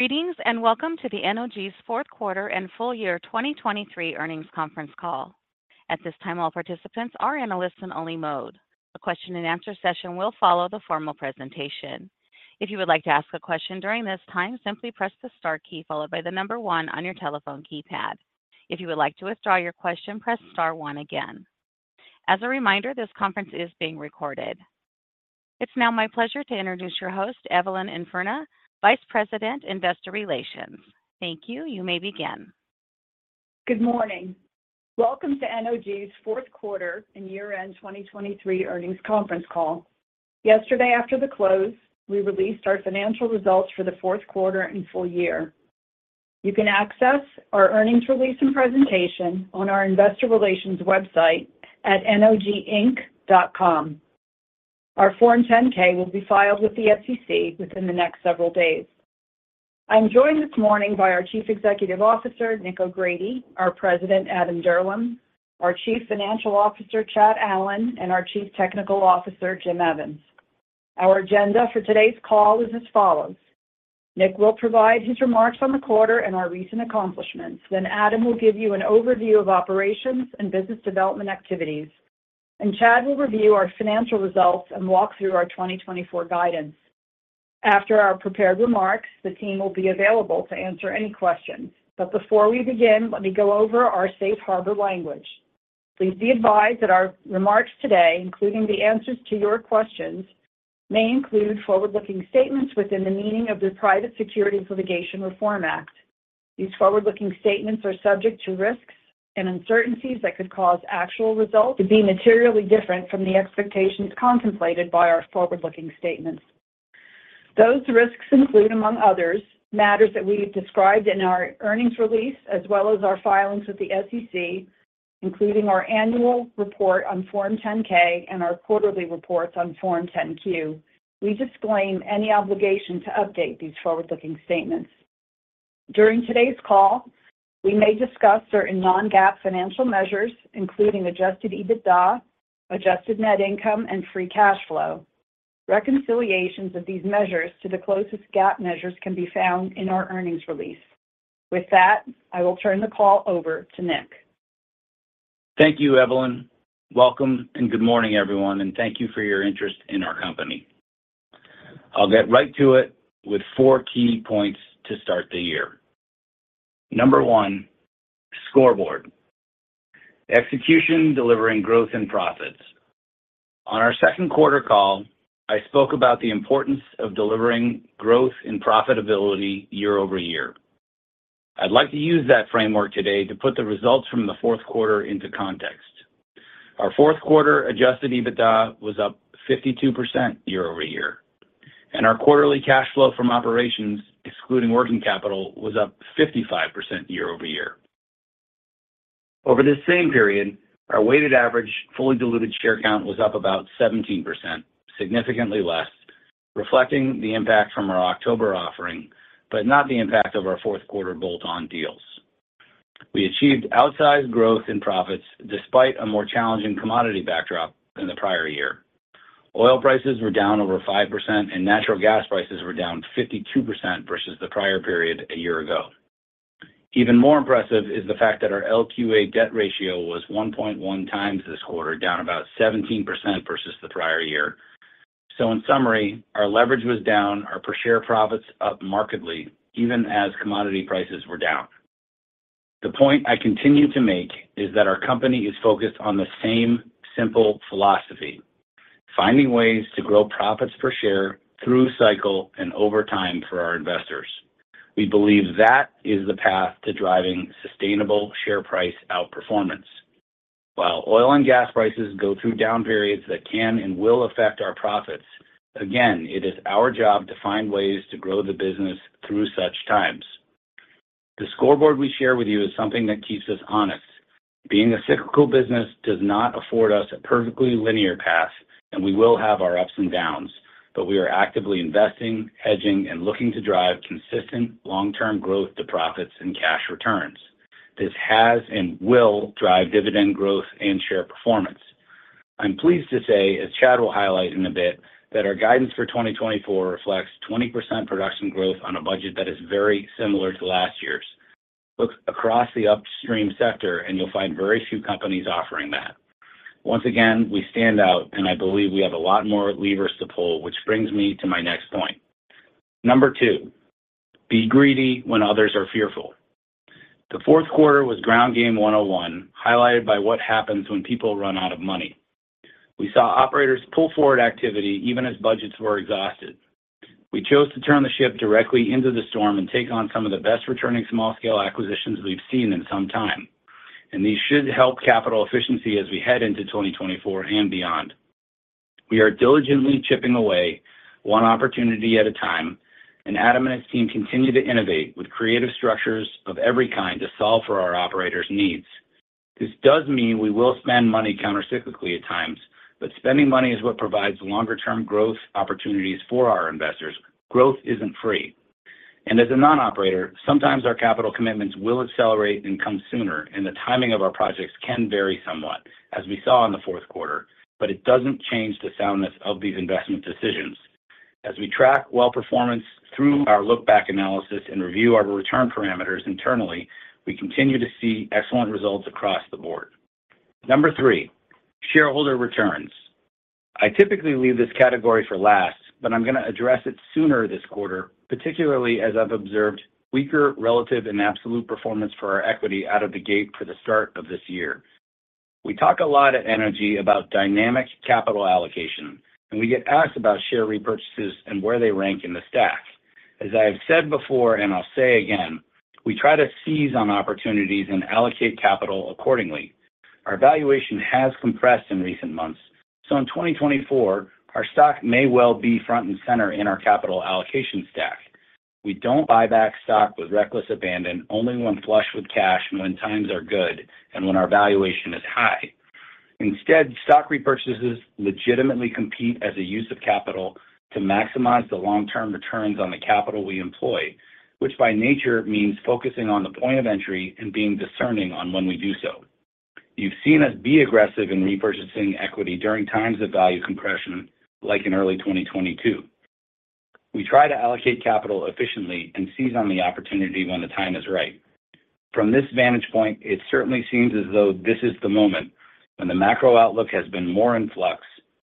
Greetings, and welcome to the NOG's fourth quarter and full year 2023 earnings conference call. At this time, all participants are in a listen-only mode. A question-and-answer session will follow the formal presentation. If you would like to ask a question during this time, simply press the star key followed by the number one on your telephone keypad. If you would like to withdraw your question, press star one again. As a reminder, this conference is being recorded. It's now my pleasure to introduce your host, Evelyn Infurna, Vice President, Investor Relations. Thank you. You may begin. Good morning. Welcome to NOG's fourth quarter and year-end 2023 earnings conference call. Yesterday, after the close, we released our financial results for the fourth quarter and full year. You can access our earnings release and presentation on our investor relations website at noginc.com. Our Form 10-K will be filed with the SEC within the next several days. I'm joined this morning by our Chief Executive Officer, Nick O'Grady, our President, Adam Dirlam, our Chief Financial Officer, Chad Allen, and our Chief Technical Officer, Jim Evans. Our agenda for today's call is as follows: Nick will provide his remarks on the quarter and our recent accomplishments. Then Adam will give you an overview of operations and business development activities, and Chad will review our financial results and walk through our 2024 guidance. After our prepared remarks, the team will be available to answer any questions. Before we begin, let me go over our safe harbor language. Please be advised that our remarks today, including the answers to your questions, may include forward-looking statements within the meaning of the Private Securities Litigation Reform Act. These forward-looking statements are subject to risks and uncertainties that could cause actual results to be materially different from the expectations contemplated by our forward-looking statements. Those risks include, among others, matters that we have described in our earnings release as well as our filings with the SEC, including our annual report on Form 10-K and our quarterly reports on Form 10-Q. We disclaim any obligation to update these forward-looking statements. During today's call, we may discuss certain non-GAAP financial measures, including Adjusted EBITDA, Adjusted Net Income, and Free Cash Flow. Reconciliations of these measures to the closest GAAP measures can be found in our earnings release. With that, I will turn the call over to Nick. Thank you, Evelyn. Welcome, and good morning, everyone, and thank you for your interest in our company. I'll get right to it with four key points to start the year. Number one, scoreboard: execution, delivering growth and profits. On our second quarter call, I spoke about the importance of delivering growth and profitability year-over-year. I'd like to use that framework today to put the results from the fourth quarter into context. Our fourth quarter Adjusted EBITDA was up 52% year-over-year, and our quarterly cash flow from operations, excluding working capital, was up 55% year-over-year. Over this same period, our weighted average, fully diluted share count was up about 17%, significantly less, reflecting the impact from our October offering, but not the impact of our fourth quarter bolt-on deals. We achieved outsized growth in profits despite a more challenging commodity backdrop than the prior year. Oil prices were down over 5%, and natural gas prices were down 52% versus the prior period a year ago. Even more impressive is the fact that our LQA debt ratio was 1.1 times this quarter, down about 17% versus the prior year. So in summary, our leverage was down, our per share profits up markedly, even as commodity prices were down. The point I continue to make is that our company is focused on the same simple philosophy: finding ways to grow profits per share through cycle and over time for our investors. We believe that is the path to driving sustainable share price outperformance. While oil and gas prices go through down periods that can and will affect our profits, again, it is our job to find ways to grow the business through such times. The scoreboard we share with you is something that keeps us honest. Being a cyclical business does not afford us a perfectly linear path, and we will have our ups and downs, but we are actively investing, hedging, and looking to drive consistent long-term growth to profits and cash returns. This has and will drive dividend growth and share performance. I'm pleased to say, as Chad will highlight in a bit, that our guidance for 2024 reflects 20% production growth on a budget that is very similar to last year's. Look across the upstream sector, and you'll find very few companies offering that. Once again, we stand out, and I believe we have a lot more levers to pull, which brings me to my next point. Number two, be greedy when others are fearful. The fourth quarter was Ground Game 101, highlighted by what happens when people run out of money. We saw operators pull forward activity even as budgets were exhausted. We chose to turn the ship directly into the storm and take on some of the best-returning small-scale acquisitions we've seen in some time, and these should help capital efficiency as we head into 2024 and beyond. We are diligently chipping away, one opportunity at a time, and Adam and his team continue to innovate with creative structures of every kind to solve for our operators' needs. This does mean we will spend money countercyclically at times, but spending money is what provides longer-term growth opportunities for our investors. Growth isn't free, and as a non-operator, sometimes our capital commitments will accelerate and come sooner, and the timing of our projects can vary somewhat, as we saw in the fourth quarter, but it doesn't change the soundness of these investment decisions. As we track well performance through our look-back analysis and review our return parameters internally, we continue to see excellent results across the board. Number three, shareholder returns. I typically leave this category for last, but I'm gonna address it sooner this quarter, particularly as I've observed weaker, relative, and absolute performance for our equity out of the gate for the start of this year. We talk a lot at NOG about dynamic capital allocation, and we get asked about share repurchases and where they rank in the stack. As I have said before, and I'll say again, we try to seize on opportunities and allocate capital accordingly. Our valuation has compressed in recent months, so in 2024, our stock may well be front and center in our capital allocation stack. We don't buy back stock with reckless abandon, only when flush with cash, when times are good, and when our valuation is high. Instead, stock repurchases legitimately compete as a use of capital to maximize the long-term returns on the capital we employ, which by nature means focusing on the point of entry and being discerning on when we do so. You've seen us be aggressive in repurchasing equity during times of value compression, like in early 2022. We try to allocate capital efficiently and seize on the opportunity when the time is right. From this vantage point, it certainly seems as though this is the moment when the macro outlook has been more in flux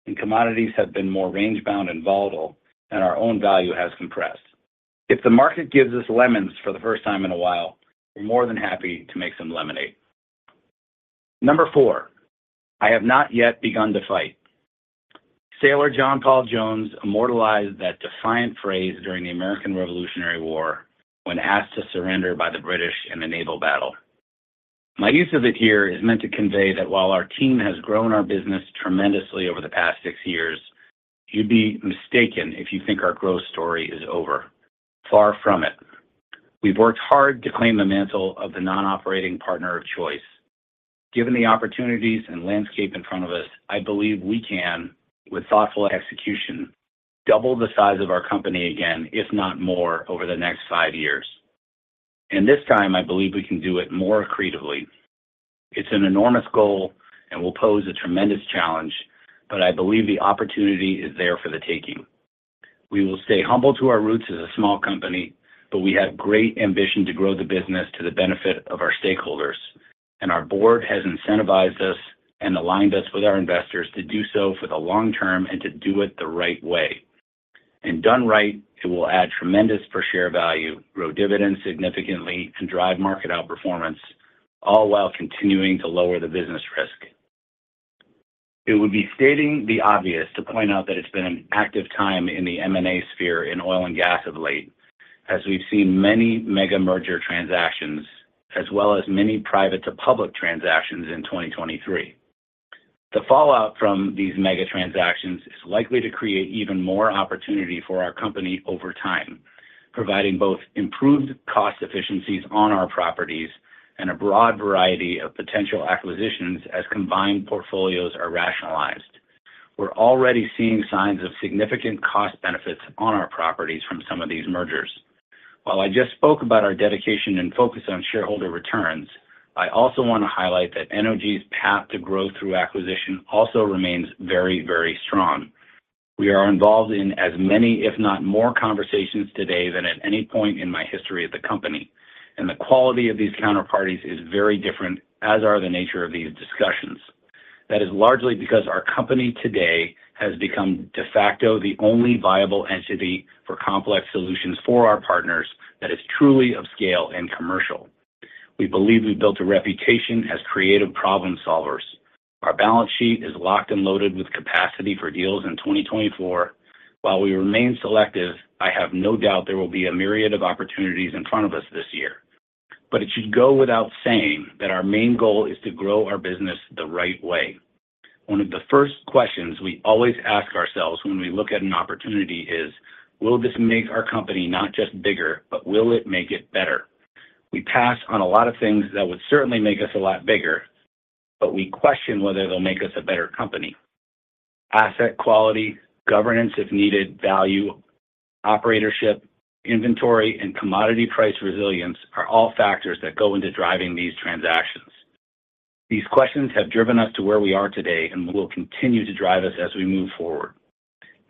and commodities have been more range-bound and volatile, and our own value has compressed. If the market gives us lemons for the first time in a while, we're more than happy to make some lemonade. Number four: I have not yet begun to fight. Sailor John Paul Jones immortalized that defiant phrase during the American Revolutionary War when asked to surrender by the British in a naval battle. My use of it here is meant to convey that while our team has grown our business tremendously over the past six years, you'd be mistaken if you think our growth story is over. Far from it. We've worked hard to claim the mantle of the non-operating partner of choice. Given the opportunities and landscape in front of us, I believe we can, with thoughtful execution, double the size of our company again, if not more, over the next five years. And this time, I believe we can do it more creatively. It's an enormous goal and will pose a tremendous challenge, but I believe the opportunity is there for the taking. We will stay humble to our roots as a small company, but we have great ambition to grow the business to the benefit of our stakeholders, and our board has incentivized us and aligned us with our investors to do so for the long term and to do it the right way. Done right, it will add tremendous per share value, grow dividends significantly, and drive market outperformance, all while continuing to lower the business risk. It would be stating the obvious to point out that it's been an active time in the M&A sphere in oil and gas of late, as we've seen many mega merger transactions, as well as many private to public transactions in 2023. The fallout from these mega transactions is likely to create even more opportunity for our company over time, providing both improved cost efficiencies on our properties and a broad variety of potential acquisitions as combined portfolios are rationalized. We're already seeing signs of significant cost benefits on our properties from some of these mergers. While I just spoke about our dedication and focus on shareholder returns, I also want to highlight that Energy's path to growth through acquisition also remains very, very strong. We are involved in as many, if not more, conversations today than at any point in my history at the company, and the quality of these counterparties is very different, as are the nature of these discussions. That is largely because our company today has become de facto, the only viable entity for complex solutions for our partners that is truly of scale and commercial. We believe we've built a reputation as creative problem solvers. Our balance sheet is locked and loaded with capacity for deals in 2024. While we remain selective, I have no doubt there will be a myriad of opportunities in front of us this year. It should go without saying that our main goal is to grow our business the right way. One of the first questions we always ask ourselves when we look at an opportunity is: Will this make our company not just bigger, but will it make it better? We pass on a lot of things that would certainly make us a lot bigger, but we question whether they'll make us a better company. Asset quality, governance, if needed, value, operatorship, inventory, and commodity price resilience are all factors that go into driving these transactions. These questions have driven us to where we are today and will continue to drive us as we move forward.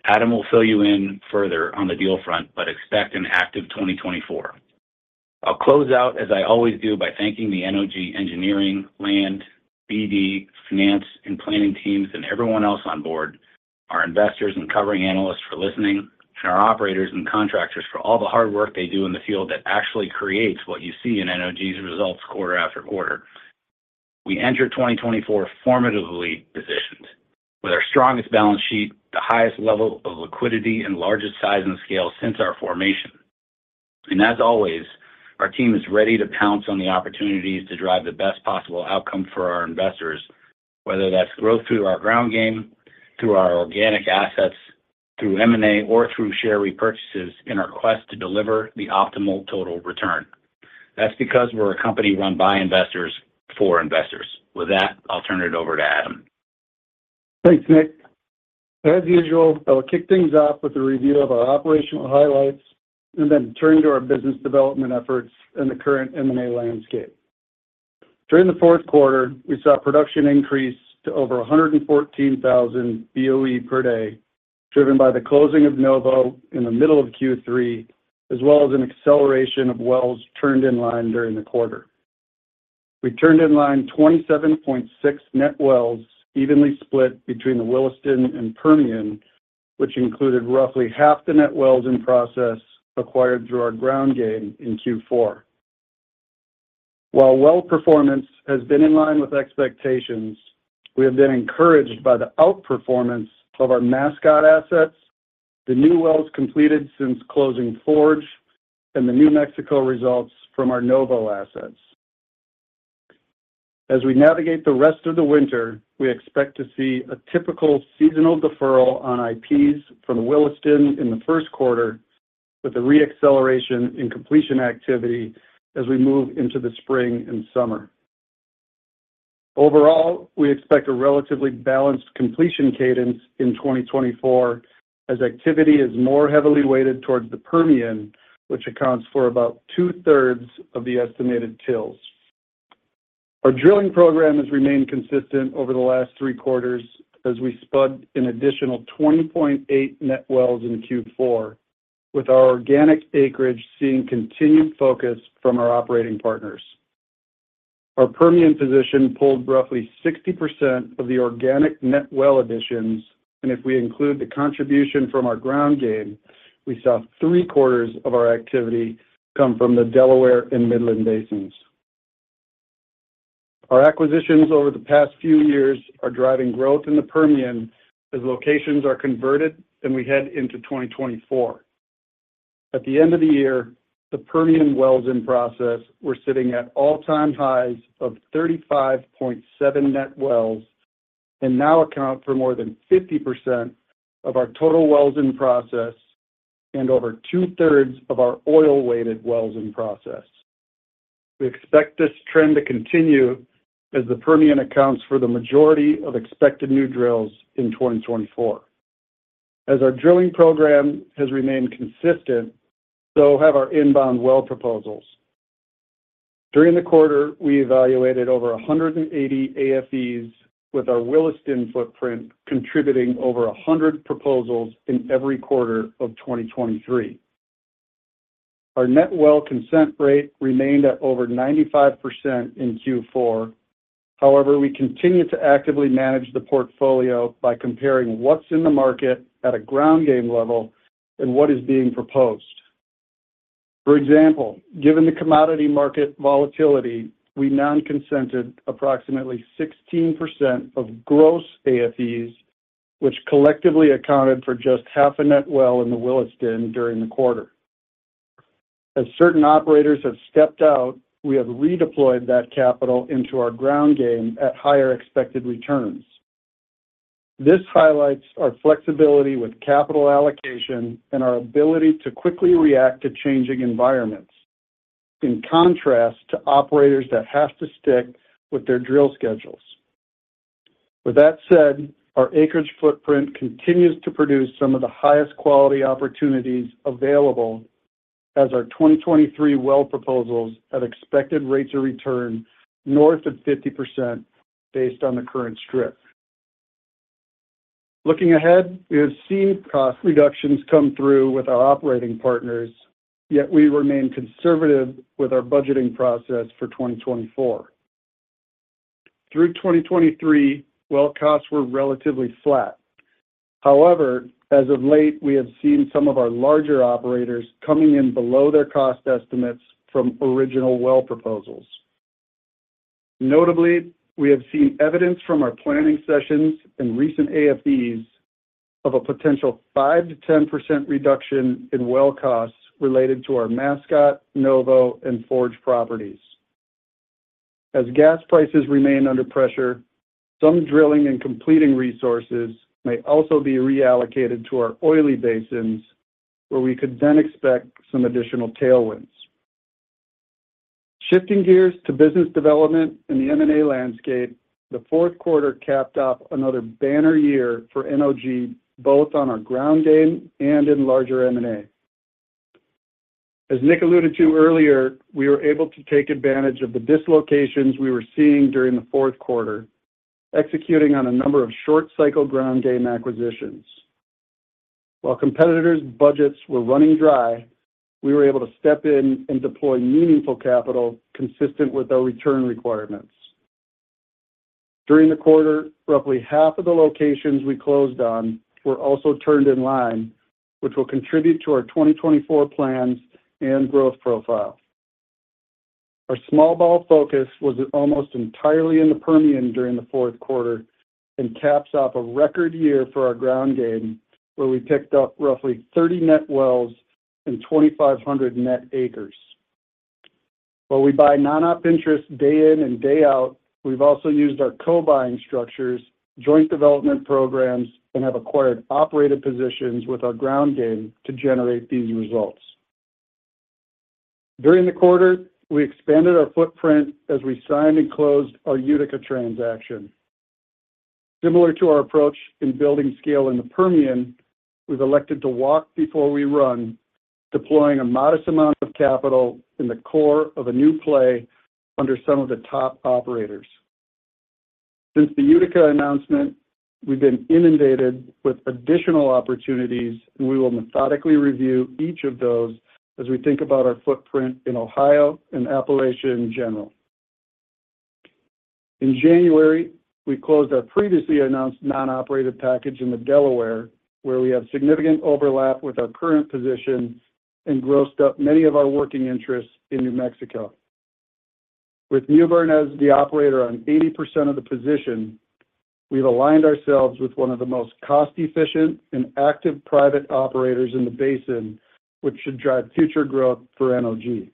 Adam will fill you in further on the deal front, but expect an active 2024. I'll close out, as I always do, by thanking the NOG engineering, land, BD, finance, and planning teams and everyone else on board, our investors and covering analysts for listening, and our operators and contractors for all the hard work they do in the field that actually creates what you see in NOG's results quarter after quarter. We enter 2024 formidably positioned with our strongest balance sheet, the highest level of liquidity, and largest size and scale since our formation. As always, our team is ready to pounce on the opportunities to drive the best possible outcome for our investors, whether that's growth through our ground game, through our organic assets, through M&A, or through share repurchases in our quest to deliver the optimal total return. That's because we're a company run by investors for investors. With that, I'll turn it over to Adam. Thanks, Nick. As usual, I will kick things off with a review of our operational highlights and then turn to our business development efforts in the current M&A landscape.... During the fourth quarter, we saw production increase to over 114,000 BOE per day, driven by the closing of Novo in the middle of Q3, as well as an acceleration of wells turned in line during the quarter. We turned in line 27.6 net wells, evenly split between the Williston and Permian, which included roughly half the net wells in process acquired through our ground game in Q4. While well performance has been in line with expectations, we have been encouraged by the outperformance of our Mascot assets, the new wells completed since closing Forge, and the New Mexico results from our Novo assets. As we navigate the rest of the winter, we expect to see a typical seasonal deferral on IPs from the Williston in the first quarter, with a re-acceleration in completion activity as we move into the spring and summer. Overall, we expect a relatively balanced completion cadence in 2024, as activity is more heavily weighted towards the Permian, which accounts for about two-thirds of the estimated TILs. Our drilling program has remained consistent over the last three quarters as we spud an additional 20.8 net wells in Q4, with our organic acreage seeing continued focus from our operating partners. Our Permian position pulled roughly 60% of the organic net well additions, and if we include the contribution from our ground game, we saw three-quarters of our activity come from the Delaware and Midland Basins. Our acquisitions over the past few years are driving growth in the Permian as locations are converted and we head into 2024. At the end of the year, the Permian wells in process were sitting at all-time highs of 35.7 net wells and now account for more than 50% of our total wells in process and over two-thirds of our oil-weighted wells in process. We expect this trend to continue as the Permian accounts for the majority of expected new drills in 2024. As our drilling program has remained consistent, so have our inbound well proposals. During the quarter, we evaluated over 180 AFEs, with our Williston footprint contributing over 100 proposals in every quarter of 2023. Our net well consent rate remained at over 95% in Q4. However, we continue to actively manage the portfolio by comparing what's in the market at a ground game level and what is being proposed. For example, given the commodity market volatility, we non-consented approximately 16% of gross AFEs, which collectively accounted for just half a net well in the Williston during the quarter. As certain operators have stepped out, we have redeployed that capital into our ground game at higher expected returns. This highlights our flexibility with capital allocation and our ability to quickly react to changing environments, in contrast to operators that have to stick with their drill schedules. With that said, our acreage footprint continues to produce some of the highest quality opportunities available as our 2023 well proposals have expected rates of return north of 50% based on the current strip. Looking ahead, we have seen cost reductions come through with our operating partners, yet we remain conservative with our budgeting process for 2024. Through 2023, well costs were relatively flat. However, as of late, we have seen some of our larger operators coming in below their cost estimates from original well proposals. Notably, we have seen evidence from our planning sessions and recent AFEs of a potential 5%-10% reduction in well costs related to our Mascot, Novo, and Forge properties. As gas prices remain under pressure, some drilling and completing resources may also be reallocated to our oily basins, where we could then expect some additional tailwinds. Shifting gears to business development in the M&A landscape, the fourth quarter capped off another banner year for NOG, both on our ground game and in larger M&A. As Nick alluded to earlier, we were able to take advantage of the dislocations we were seeing during the fourth quarter, executing on a number of short-cycle ground game acquisitions. While competitors' budgets were running dry, we were able to step in and deploy meaningful capital consistent with our return requirements. During the quarter, roughly half of the locations we closed on were also turned in line, which will contribute to our 2024 plans and growth profile. Our small ball focus was almost entirely in the Permian during the fourth quarter and caps off a record year for our ground game, where we picked up roughly 30 net wells and 2,500 net acres. While we buy non-op interest day in and day out, we've also used our co-buying structures, joint development programs, and have acquired operated positions with our ground game to generate these results. During the quarter, we expanded our footprint as we signed and closed our Utica transaction. Similar to our approach in building scale in the Permian, we've elected to walk before we run, deploying a modest amount of capital in the core of a new play under some of the top operators. Since the Utica announcement, we've been inundated with additional opportunities, and we will methodically review each of those as we think about our footprint in Ohio and Appalachia in general. In January, we closed our previously announced non-operated package in the Delaware, where we have significant overlap with our current position and grossed up many of our working interests in New Mexico. With Mewbourne as the operator on 80% of the position, we've aligned ourselves with one of the most cost-efficient and active private operators in the basin, which should drive future growth for NOG.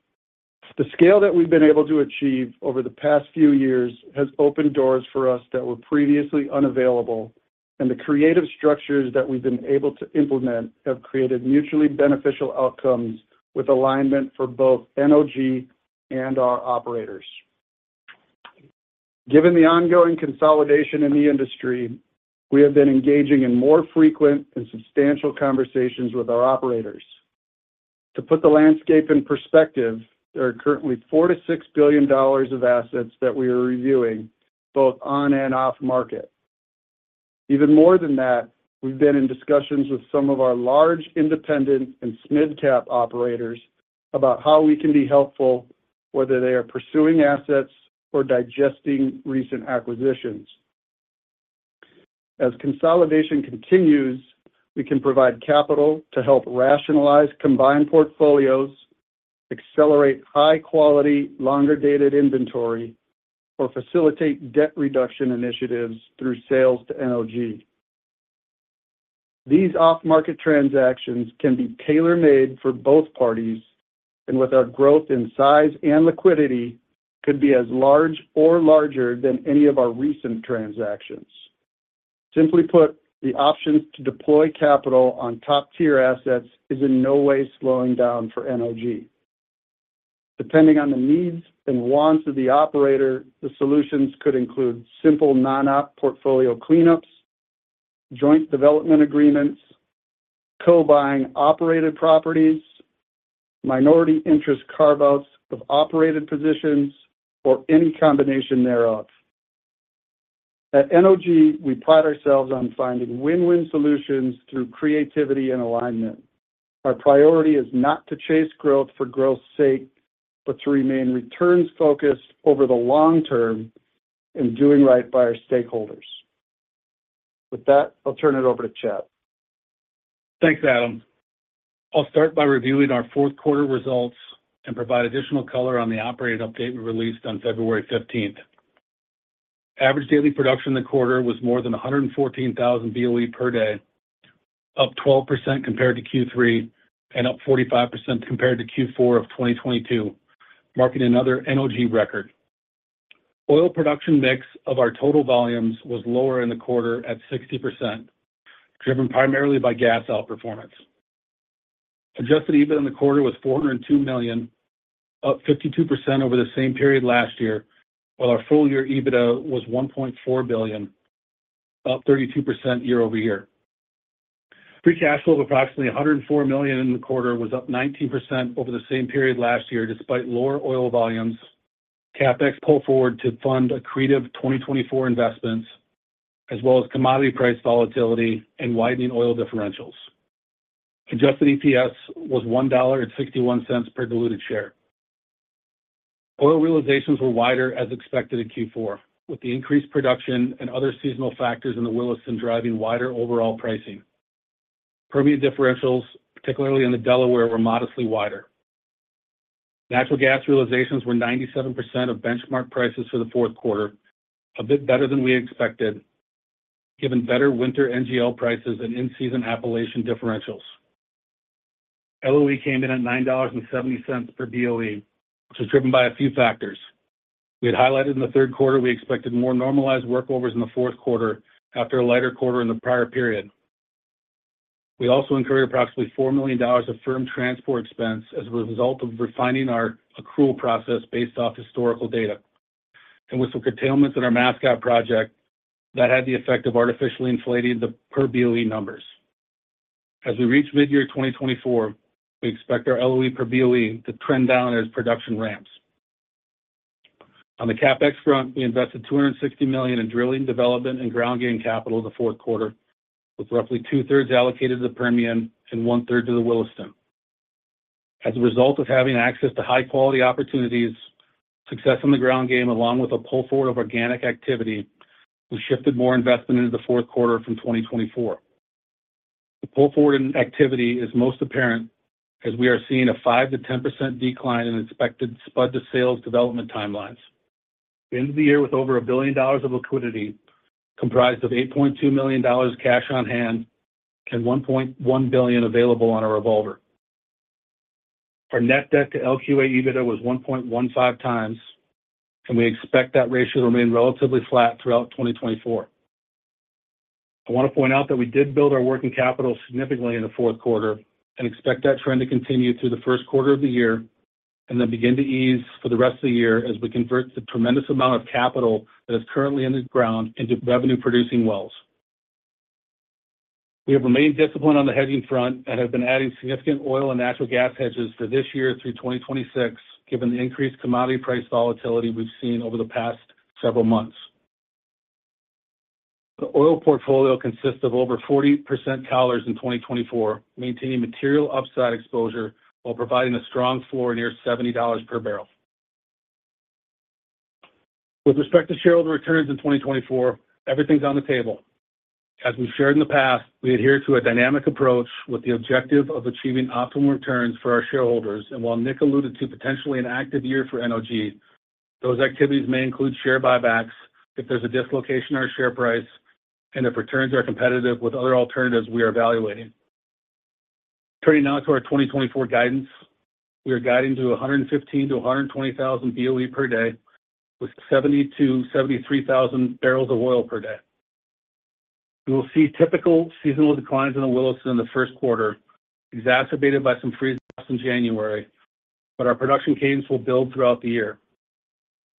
The scale that we've been able to achieve over the past few years has opened doors for us that were previously unavailable, and the creative structures that we've been able to implement have created mutually beneficial outcomes, with alignment for both NOG and our operators. Given the ongoing consolidation in the industry, we have been engaging in more frequent and substantial conversations with our operators. To put the landscape in perspective, there are currently $4 billion-$6 billion of assets that we are reviewing, both on and off market. Even more than that, we've been in discussions with some of our large, independent, and mid-cap operators about how we can be helpful, whether they are pursuing assets or digesting recent acquisitions. As consolidation continues, we can provide capital to help rationalize, combine portfolios, accelerate high quality, longer dated inventory, or facilitate debt reduction initiatives through sales to NOG. These off-market transactions can be tailor-made for both parties, and with our growth in size and liquidity, could be as large or larger than any of our recent transactions. Simply put, the options to deploy capital on top-tier assets is in no way slowing down for NOG. Depending on the needs and wants of the operator, the solutions could include simple non-op portfolio cleanups, joint development agreements, co-buying operated properties, minority interest carve-outs of operated positions, or any combination thereof. At NOG, we pride ourselves on finding win-win solutions through creativity and alignment. Our priority is not to chase growth for growth's sake, but to remain returns focused over the long term and doing right by our stakeholders. With that, I'll turn it over to Chad. Thanks, Adam. I'll start by reviewing our fourth quarter results and provide additional color on the operated update we released on February fifteenth. Average daily production in the quarter was more than 114,000 BOE per day, up 12% compared to Q3, and up 45% compared to Q4 of 2022, marking another NOG record. Oil production mix of our total volumes was lower in the quarter at 60%, driven primarily by gas outperformance. Adjusted EBITDA in the quarter was $402 million, up 52% over the same period last year, while our full year EBITDA was $1.4 billion, up 32% year-over-year. Free cash flow of approximately $104 million in the quarter was up 19% over the same period last year, despite lower oil volumes, CapEx pull forward to fund accretive 2024 investments, as well as commodity price volatility and widening oil differentials. Adjusted EPS was $1.61 per diluted share. Oil realizations were wider as expected in Q4, with the increased production and other seasonal factors in the Williston driving wider overall pricing. Permian differentials, particularly in the Delaware, were modestly wider. Natural gas realizations were 97% of benchmark prices for the fourth quarter, a bit better than we expected, given better winter NGL prices and in-season Appalachian differentials. LOE came in at $9.70 per BOE, which was driven by a few factors. We had highlighted in the third quarter, we expected more normalized workovers in the fourth quarter after a lighter quarter in the prior period. We also incurred approximately $4 million of firm transport expense as a result of refining our accrual process based off historical data, and with some curtailments in our Mascot Project that had the effect of artificially inflating the per BOE numbers. As we reach mid-year 2024, we expect our LOE per BOE to trend down as production ramps. On the CapEx front, we invested $260 million in drilling, development, and ground game capital in the fourth quarter, with roughly two-thirds allocated to the Permian and one-third to the Williston. As a result of having access to high-quality opportunities, success on the ground game, along with a pull forward of organic activity, we shifted more investment into the fourth quarter from 2024. The pull forward in activity is most apparent as we are seeing a 5%-10% decline in expected spud-to-sales development timelines. We end the year with over $1 billion of liquidity, comprised of $8.2 million cash on hand and $1.1 billion available on a revolver. Our net debt to LQA EBITDA was 1.15 times, and we expect that ratio to remain relatively flat throughout 2024.... I want to point out that we did build our working capital significantly in the fourth quarter and expect that trend to continue through the first quarter of the year, and then begin to ease for the rest of the year as we convert the tremendous amount of capital that is currently in the ground into revenue-producing wells. We have remained disciplined on the hedging front and have been adding significant oil and natural gas hedges for this year through 2026, given the increased commodity price volatility we've seen over the past several months. The oil portfolio consists of over 40% collars in 2024, maintaining material upside exposure while providing a strong floor near $70 per barrel. With respect to shareholder returns in 2024, everything's on the table. As we've shared in the past, we adhere to a dynamic approach with the objective of achieving optimal returns for our shareholders. While Nick alluded to potentially an active year for NOG, those activities may include share buybacks if there's a dislocation in our share price, and if returns are competitive with other alternatives we are evaluating. Turning now to our 2024 guidance. We are guiding to 115,000-120,000 BOE per day, with 72,000-73,000 barrels of oil per day. You will see typical seasonal declines in the Williston in the first quarter, exacerbated by some freeze loss in January, but our production cadence will build throughout the year.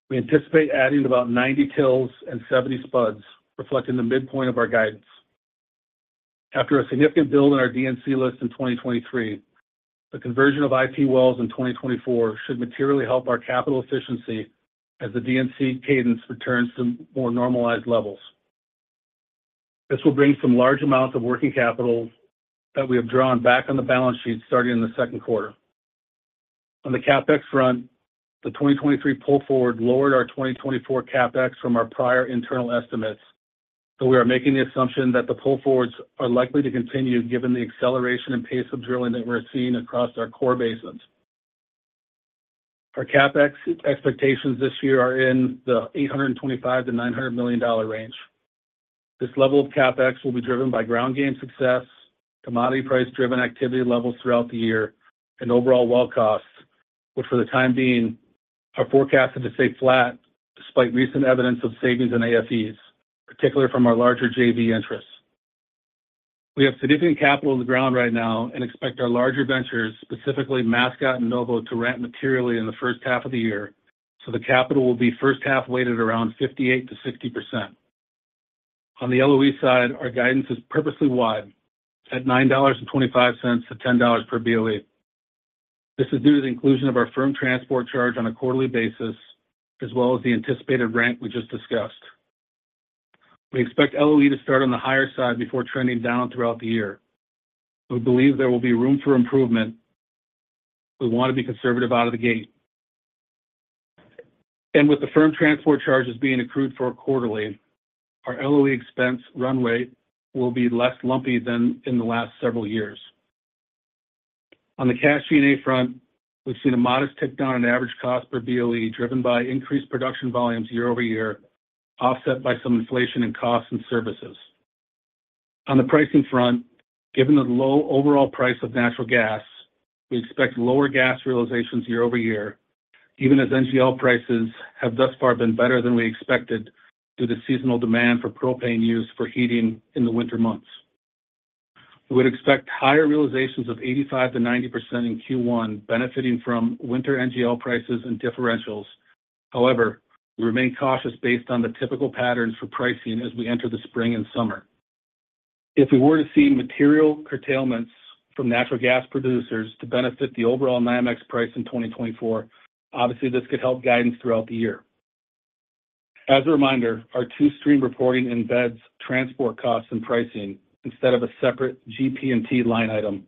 We anticipate adding about 90 TILs and 70 spuds, reflecting the midpoint of our guidance. After a significant build in our D&C list in 2023, the conversion of IP wells in 2024 should materially help our capital efficiency as the D&C cadence returns to more normalized levels. This will bring some large amounts of working capital that we have drawn back on the balance sheet starting in the second quarter. On the CapEx front, the 2023 pull forward lowered our 2024 CapEx from our prior internal estimates, so we are making the assumption that the pull forwards are likely to continue, given the acceleration and pace of drilling that we're seeing across our core basins. Our CapEx expectations this year are in the $825 million-$900 million range. This level of CapEx will be driven by ground game success, commodity price-driven activity levels throughout the year, and overall well costs, which, for the time being, are forecasted to stay flat despite recent evidence of savings in AFEs, particularly from our larger JV interests. We have significant capital in the ground right now and expect our larger ventures, specifically Mascot and Novo, to ramp materially in the first half of the year, so the capital will be first half weighted around 58%-60%. On the LOE side, our guidance is purposely wide, at $9.25-$10 per BOE. This is due to the inclusion of our firm transport charge on a quarterly basis, as well as the anticipated ramp we just discussed. We expect LOE to start on the higher side before trending down throughout the year. We believe there will be room for improvement. We want to be conservative out of the gate. With the firm transport charges being accrued for quarterly, our LOE expense runway will be less lumpy than in the last several years. On the cash G&A front, we've seen a modest tick down in average cost per BOE, driven by increased production volumes year-over-year, offset by some inflation in costs and services. On the pricing front, given the low overall price of natural gas, we expect lower gas realizations year-over-year, even as NGL prices have thus far been better than we expected due to seasonal demand for propane use for heating in the winter months. We would expect higher realizations of 85%-90% in Q1, benefiting from winter NGL prices and differentials. However, we remain cautious based on the typical patterns for pricing as we enter the spring and summer. If we were to see material curtailments from natural gas producers to benefit the overall NYMEX price in 2024, obviously, this could help guidance throughout the year. As a reminder, our two stream reporting embeds transport costs and pricing instead of a separate GP&T line item,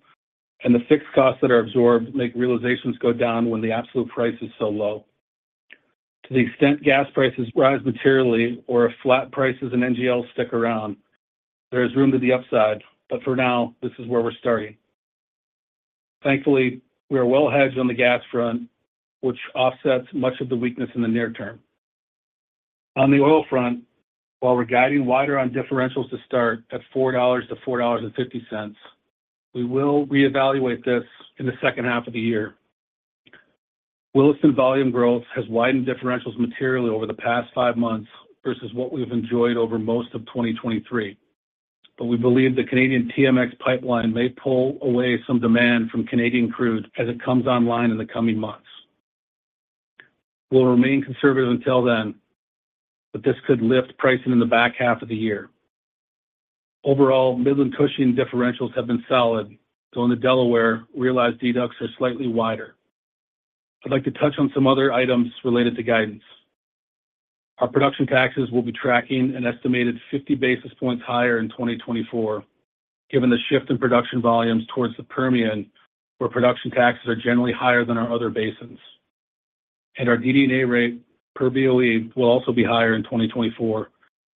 and the fixed costs that are absorbed make realizations go down when the absolute price is so low. To the extent gas prices rise materially or if flat prices and NGL stick around, there is room to the upside, but for now, this is where we're starting. Thankfully, we are well hedged on the gas front, which offsets much of the weakness in the near term. On the oil front, while we're guiding wider on differentials to start at $4-$4.50, we will reevaluate this in the second half of the year. Williston volume growth has widened differentials materially over the past five months versus what we've enjoyed over most of 2023, but we believe the Canadian TMX pipeline may pull away some demand from Canadian crude as it comes online in the coming months. We'll remain conservative until then, but this could lift pricing in the back half of the year. Overall, Midland Cushing differentials have been solid, so in the Delaware, realized deducts are slightly wider. I'd like to touch on some other items related to guidance. Our production taxes will be tracking an estimated 50 basis points higher in 2024, given the shift in production volumes towards the Permian, where production taxes are generally higher than our other basins. Our DD&A rate per BOE will also be higher in 2024,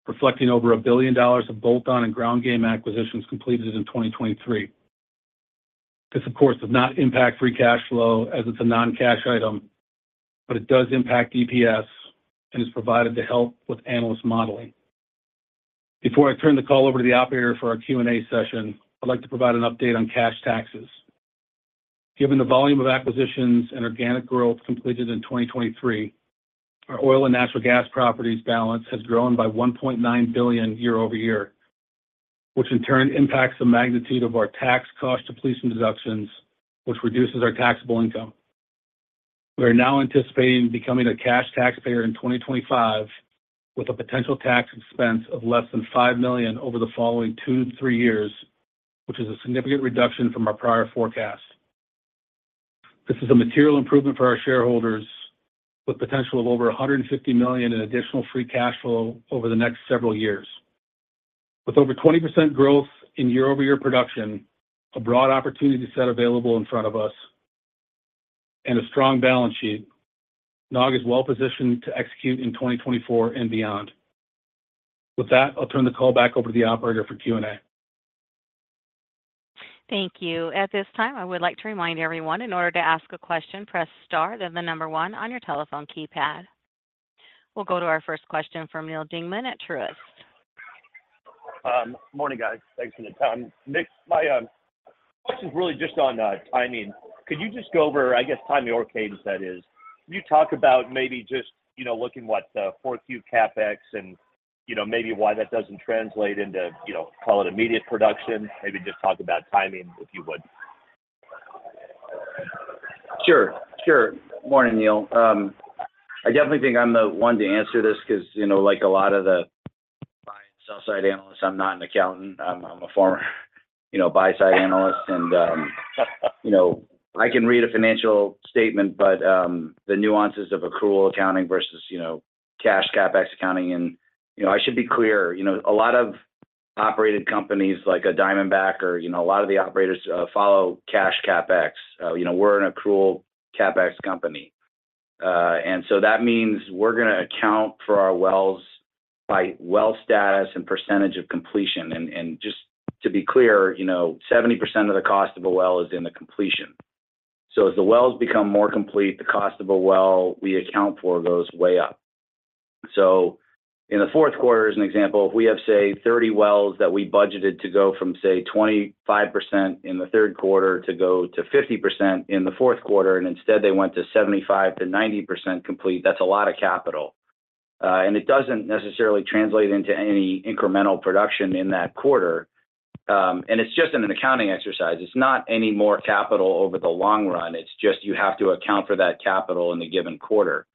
reflecting over $1 billion of bolt-on and ground game acquisitions completed in 2023. This, of course, does not impact free cash flow, as it's a non-cash item, but it does impact EPS and is provided to help with analyst modeling. Before I turn the call over to the operator for our Q&A session, I'd like to provide an update on cash taxes. Given the volume of acquisitions and organic growth completed in 2023, our oil and natural gas properties balance has grown by $1.9 billion year-over-year, which in turn impacts the magnitude of our tax cost depletion deductions, which reduces our taxable income. We are now anticipating becoming a cash taxpayer in 2025, with a potential tax expense of less than $5 million over the following two to three years, which is a significant reduction from our prior forecast. This is a material improvement for our shareholders, with potential of over $150 million in additional free cash flow over the next several years. With over 20% growth in year-over-year production, a broad opportunity set available in front of us, and a strong balance sheet, NOG is well positioned to execute in 2024 and beyond. With that, I'll turn the call back over to the operator for Q&A. Thank you. At this time, I would like to remind everyone, in order to ask a question, press star, then number one on your telephone keypad. We'll go to our first question from Neal Dingmann at Truist. Morning, guys. Thanks for the time. Nick, my question is really just on timing. Could you just go over, I guess, timing or cadence, that is? Can you talk about maybe just, you know, looking what fourth Q CapEx and, you know, maybe why that doesn't translate into, you know, call it immediate production? Maybe just talk about timing, if you would. Sure. Sure. Morning, Neal. I definitely think I'm the one to answer this because, you know, like a lot of the buy- and sell-side analysts, I'm not an accountant. I'm a former, you know, buy-side analyst. And, you know, I can read a financial statement, but, the nuances of accrual accounting versus, you know, cash CapEx accounting and... You know, I should be clear, you know, a lot of operated companies like a Diamondback or, you know, a lot of the operators, follow cash CapEx. You know, we're an accrual CapEx company. And so that means we're gonna account for our wells by well status and percentage of completion. And just to be clear, you know, 70% of the cost of a well is in the completion. So as the wells become more complete, the cost of a well we account for goes way up. So in the fourth quarter, as an example, if we have, say, 30 wells that we budgeted to go from, say, 25% in the third quarter to go to 50% in the fourth quarter, and instead they went to 75%-90% complete, that's a lot of capital. And it doesn't necessarily translate into any incremental production in that quarter. And it's just an accounting exercise. It's not any more capital over the long run. It's just you have to account for that capital in a given quarter.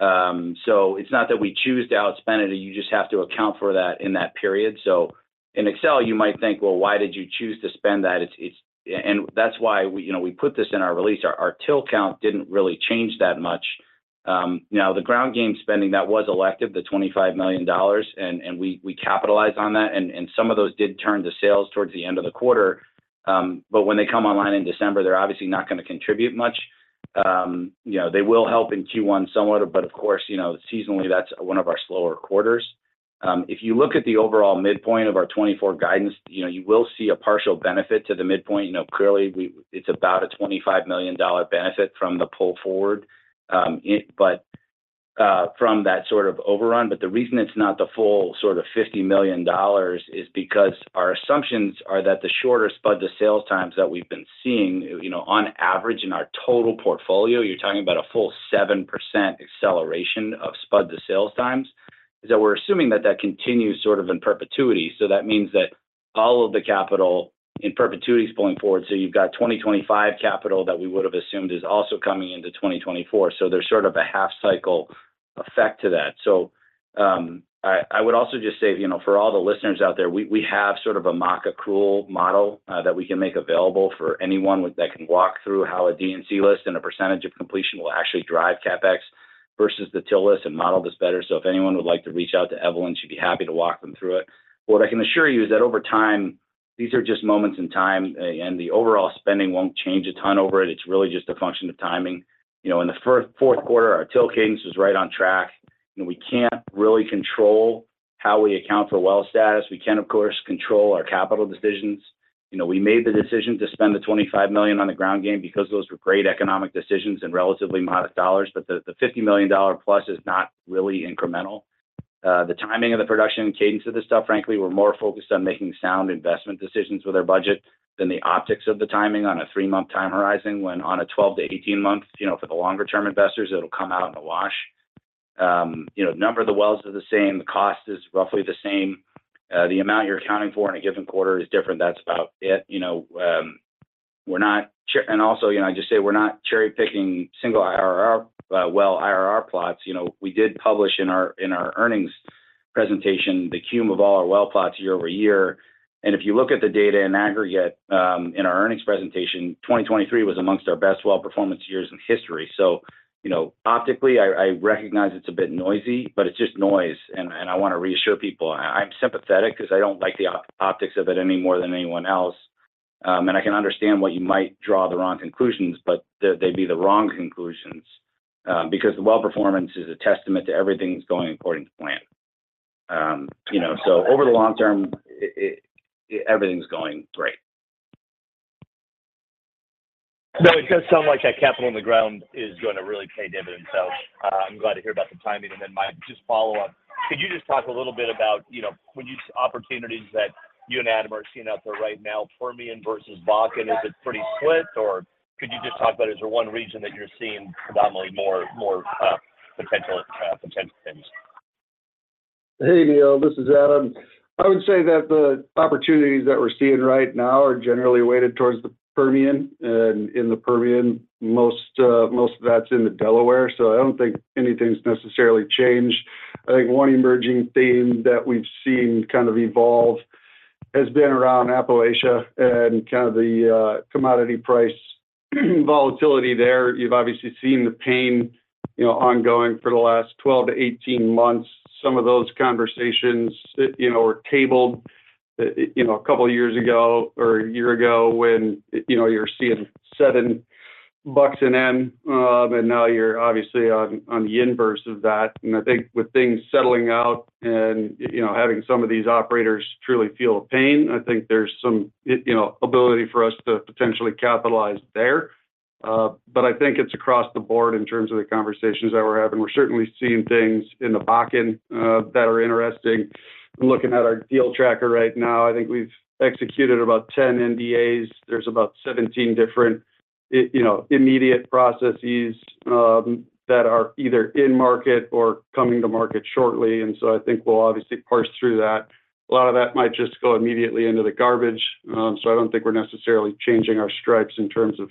So it's not that we choose to outspend it, you just have to account for that in that period. So in Excel, you might think, "Well, why did you choose to spend that?" It's—and that's why we, you know, we put this in our release. Our, our TIL count didn't really change that much. Now, the Ground Game spending, that was elected, the $25 million, and we capitalized on that, and some of those did turn to sales towards the end of the quarter. But when they come online in December, they're obviously not gonna contribute much. You know, they will help in Q1 somewhat, but of course, you know, seasonally, that's one of our slower quarters. If you look at the overall midpoint of our 2024 guidance, you know, you will see a partial benefit to the midpoint. You know, clearly, it's about a $25 million benefit from the pull forward, but from that sort of overrun. But the reason it's not the full sort of $50 million is because our assumptions are that the shorter spud to sales times that we've been seeing, you know, on average in our total portfolio, you're talking about a full 7% acceleration of spud to sales times, is that we're assuming that that continues sort of in perpetuity. So that means that all of the capital in perpetuity is pulling forward. So you've got 2025 capital that we would have assumed is also coming into 2024. So there's sort of a half cycle effect to that. So, I would also just say, you know, for all the listeners out there, we have sort of a mock accrual model that we can make available for anyone with that can walk through how a D&C list and a percentage of completion will actually drive CapEx versus the TIL list and model this better. So if anyone would like to reach out to Evelyn, she'd be happy to walk them through it. What I can assure you is that over time, these are just moments in time, and the overall spending won't change a ton over it. It's really just a function of timing. You know, in the fourth quarter, our TIL cadence was right on track, and we can't really control how we account for well status. We can, of course, control our capital decisions. You know, we made the decision to spend the $25 million on the ground game because those were great economic decisions and relatively modest dollars, but the $50 million plus is not really incremental. The timing of the production and cadence of this stuff, frankly, we're more focused on making sound investment decisions with our budget than the optics of the timing on a 3-month time horizon, when on a 12- to 18-month, you know, for the longer-term investors, it'll come out in the wash. You know, number of the wells are the same, the cost is roughly the same. The amount you're accounting for in a given quarter is different. That's about it. You know, we're not and also, you know, I just say we're not cherry-picking single-well IRR plots. You know, we did publish in our earnings presentation, the cum of all our well plots year-over-year. And if you look at the data in aggregate, in our earnings presentation, 2023 was among our best well performance years in history. So, you know, optically, I recognize it's a bit noisy, but it's just noise and I want to reassure people. I'm sympathetic because I don't like the optics of it any more than anyone else. And I can understand why you might draw the wrong conclusions, but they, they'd be the wrong conclusions, because the well performance is a testament to everything that's going according to plan. You know, so over the long term, everything's going great. So it does sound like that capital on the ground is going to really pay dividends. So, I'm glad to hear about the timing. And then my just follow-up. Could you just talk a little bit about, you know, opportunities that you and Adam are seeing out there right now, Permian versus Bakken? Is it pretty split, or could you just talk about, is there one region that you're seeing predominantly more, more potentials? Hey, Neal, this is Adam. I would say that the opportunities that we're seeing right now are generally weighted towards the Permian. And in the Permian, most, most of that's in the Delaware, so I don't think anything's necessarily changed. I think one emerging theme that we've seen kind of evolve has been around Appalachia and kind of the, commodity price volatility there. You've obviously seen the pain, you know, ongoing for the last 12-18 months. Some of those conversations that, you know, were tabled, you know, a couple of years ago or a year ago when, you know, you're seeing $7 an N, and now you're obviously on, on the inverse of that. And I think with things settling out and, you know, having some of these operators truly feel the pain, I think there's some, you know, ability for us to potentially capitalize there. But I think it's across the board in terms of the conversations that we're having. We're certainly seeing things in the Bakken that are interesting. Looking at our deal tracker right now, I think we've executed about 10 NDAs. There's about 17 different you know, immediate processes that are either in market or coming to market shortly, and so I think we'll obviously parse through that. A lot of that might just go immediately into the garbage. So I don't think we're necessarily changing our stripes in terms of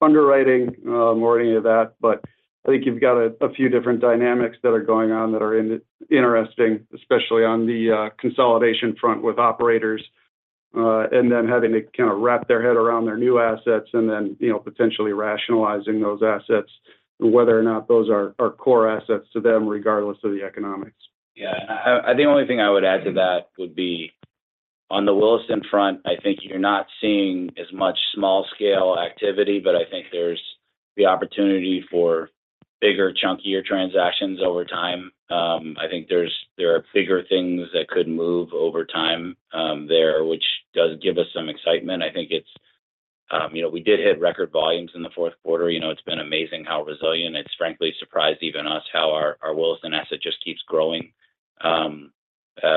underwriting or any of that. But I think you've got a few different dynamics that are going on that are interesting, especially on the consolidation front with operators, and then having to kinda wrap their head around their new assets and then, you know, potentially rationalizing those assets, and whether or not those are core assets to them, regardless of the economics. Yeah, the only thing I would add to that would be on the Williston front. I think you're not seeing as much small-scale activity, but I think there's the opportunity for bigger, chunkier transactions over time. I think there are bigger things that could move over time there, which does give us some excitement. I think it's... You know, we did hit record volumes in the fourth quarter. You know, it's been amazing how resilient. It's frankly surprised even us, how our Williston asset just keeps growing,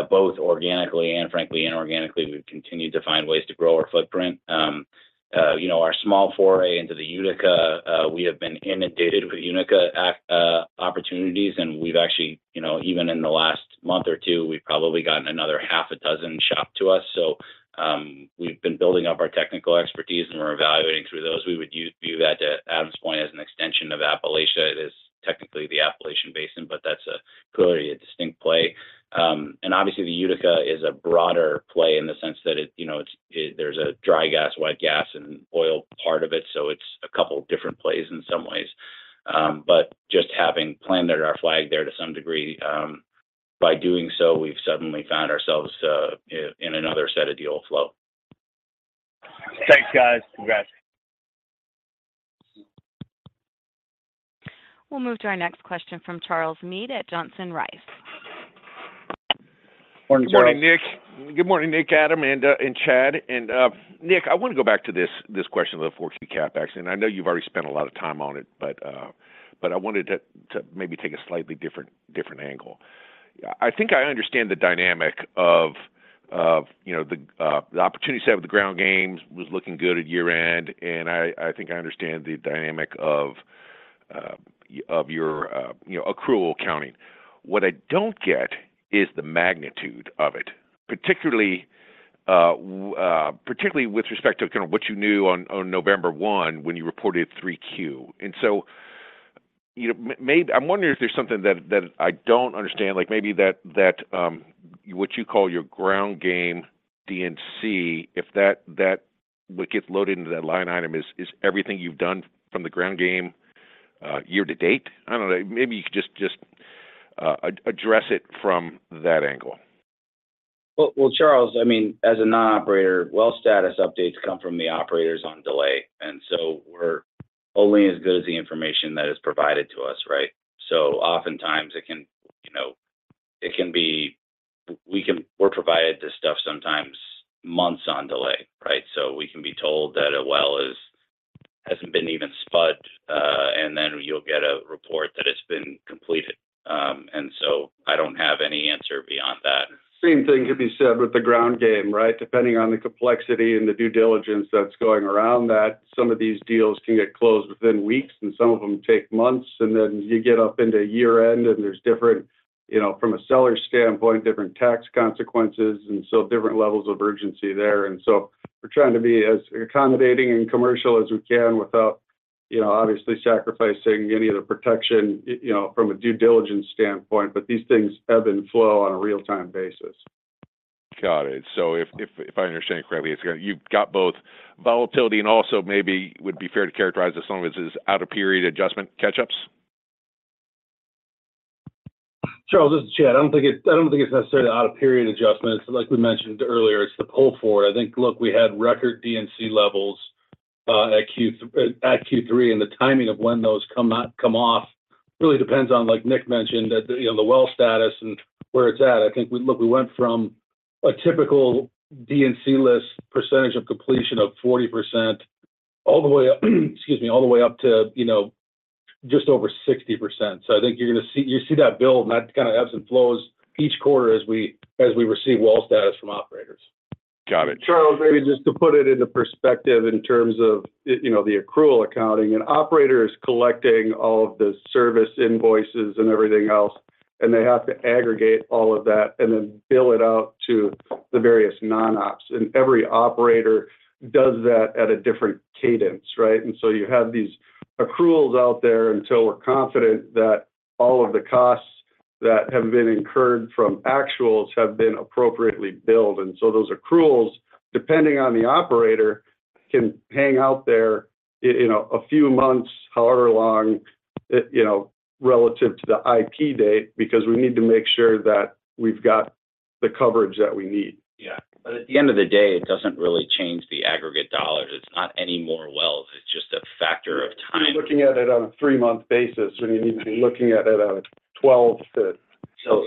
both organically and frankly, inorganically. We've continued to find ways to grow our footprint. You know, our small foray into the Utica, we have been inundated with Utica opportunities, and we've actually, you know, even in the last month or two, we've probably gotten another half a dozen shopped to us. So, we've been building up our technical expertise, and we're evaluating through those. We would view that, to Adam's point, as an extension of Appalachia. It is technically the Appalachian Basin, but that's clearly a distinct play. And obviously, the Utica is a broader play in the sense that it, you know, it's, there's a dry gas, wet gas, and oil part of it, so it's a couple different plays in some ways. But just having planted our flag there, to some degree, by doing so, we've suddenly found ourselves in another set of deal flow. Thanks, guys. Congrats. We'll move to our next question from Charles Meade at Johnson Rice. Morning, Charles. Good morning, Nick. Good morning, Nick, Adam, and Chad. Nick, I want to go back to this question about the 4Q capex, and I know you've already spent a lot of time on it, but I wanted to maybe take a slightly different angle. I think I understand the dynamic of the opportunity set with the ground game was looking good at year-end, and I think I understand the dynamic of your accrual accounting. What I don't get is the magnitude of it, particularly with respect to kind of what you knew on November one, when you reported 3Q. And so, you know, I'm wondering if there's something that, that I don't understand, like maybe that, that what you call your Ground Game D&C, if that, that what gets loaded into that line item is, is everything you've done from the Ground Game year to date? I don't know. Maybe you could just, just address it from that angle. Well, well, Charles, I mean, as a non-operator, well status updates come from the operators on delay, and so we're only as good as the information that is provided to us, right? So oftentimes it can, you know, we're provided this stuff sometimes months on delay, right? So we can be told that a well hasn't been even spudded, and then you'll get a report that it's been completed. And so I don't have any answer beyond that. Same thing could be said with the ground game, right? Depending on the complexity and the due diligence that's going around that, some of these deals can get closed within weeks, and some of them take months. And then you get up into year-end, and there's different, you know, from a seller standpoint, different tax consequences, and so different levels of urgency there. And so we're trying to be as accommodating and commercial as we can without, you know, obviously sacrificing any of the protection, you know, from a due diligence standpoint. But these things ebb and flow on a real-time basis. Got it. So if I understand correctly, it's got—you've got both volatility and also maybe would be fair to characterize this one as out-of-period adjustment catch-ups? Charles, this is Chad. I don't think it's necessarily out-of-period adjustments. Like we mentioned earlier, it's the pull forward. I think, look, we had record D&C levels at Q3, and the timing of when those come off, really depends on, like Nick mentioned, the, you know, the well status and where it's at. I think, look, we went from a typical D&C list percentage of completion of 40%... all the way up, excuse me, all the way up to, you know, just over 60%. So I think you're gonna see, you see that build, and that kind of ebbs and flows each quarter as we, as we receive well status from operators. Got it. Charles, maybe just to put it into perspective in terms of, you know, the accrual accounting. An operator is collecting all of the service invoices and everything else, and they have to aggregate all of that, and then bill it out to the various non-ops. And every operator does that at a different cadence, right? And so you have these accruals out there until we're confident that all of the costs that have been incurred from actuals have been appropriately billed. And so those accruals, depending on the operator, can hang out there in a few months, however long, you know, relative to the IP date, because we need to make sure that we've got the coverage that we need. Yeah. But at the end of the day, it doesn't really change the aggregate dollars. It's not any more wells, it's just a factor of time. You're looking at it on a 3-month basis, when you need to be looking at it on a 12 to- So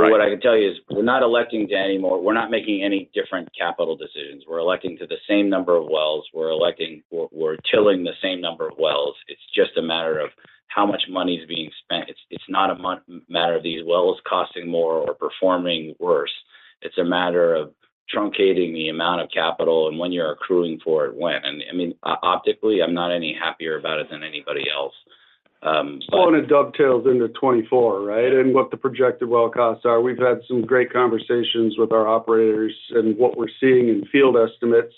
what I can tell you is, we're not electing to any more. We're not making any different capital decisions. We're electing to the same number of wells. We're electing. We're, we're tiling the same number of wells. It's just a matter of how much money is being spent. It's not a matter of these wells costing more or performing worse. It's a matter of truncating the amount of capital, and when you're accruing for it when. I mean, optically, I'm not any happier about it than anybody else. But Well, and it dovetails into 2024, right? And what the projected well costs are. We've had some great conversations with our operators, and what we're seeing in field estimates,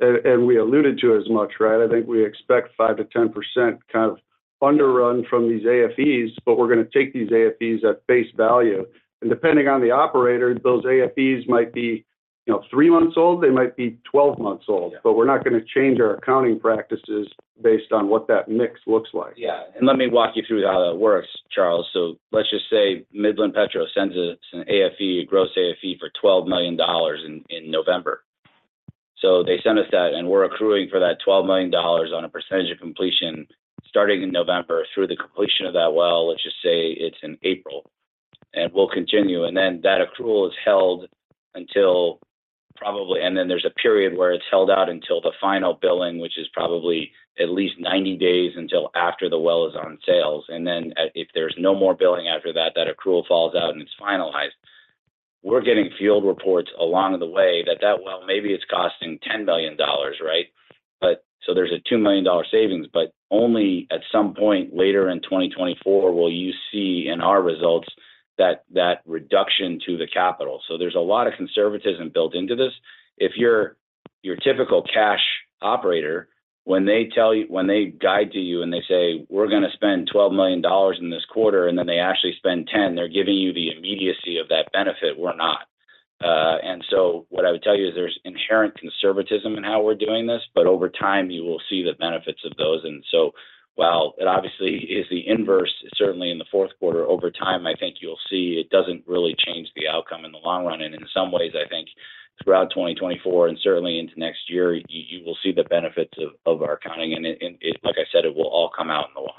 and we alluded to as much, right? I think we expect 5%-10% kind of underrun from these AFEs, but we're gonna take these AFEs at face value. And depending on the operator, those AFEs might be, you know, three months old. They might be 12 months old. Yeah. But we're not gonna change our accounting practices based on what that mix looks like. Yeah. And let me walk you through how that works, Charles. So let's just say Midland Petro sends us an AFE, a gross AFE, for $12 million in November. So they sent us that, and we're accruing for that $12 million on a percentage of completion, starting in November through the completion of that well, let's just say it's in April. And we'll continue, and then, that accrual is held until probably. And then there's a period where it's held out until the final billing, which is probably at least 90 days until after the well is on sales. And then, if there's no more billing after that, that accrual falls out and it's finalized. We're getting field reports along the way that well, maybe it's costing $10 billion, right? But... So there's a $2 million savings, but only at some point later in 2024 will you see in our results that reduction to the capital. So there's a lot of conservatism built into this. If your typical cash operator, when they guide to you and they say, "We're gonna spend $12 million in this quarter," and then they actually spend $10 million, they're giving you the immediacy of that benefit. We're not. And so what I would tell you is there's inherent conservatism in how we're doing this, but over time, you will see the benefits of those. And so while it obviously is the inverse, certainly in the fourth quarter, over time, I think you'll see it doesn't really change the outcome in the long run. And in some ways, I think throughout 2024, and certainly into next year, you will see the benefits of our accounting. And it—like I said, it will all come out in the wash.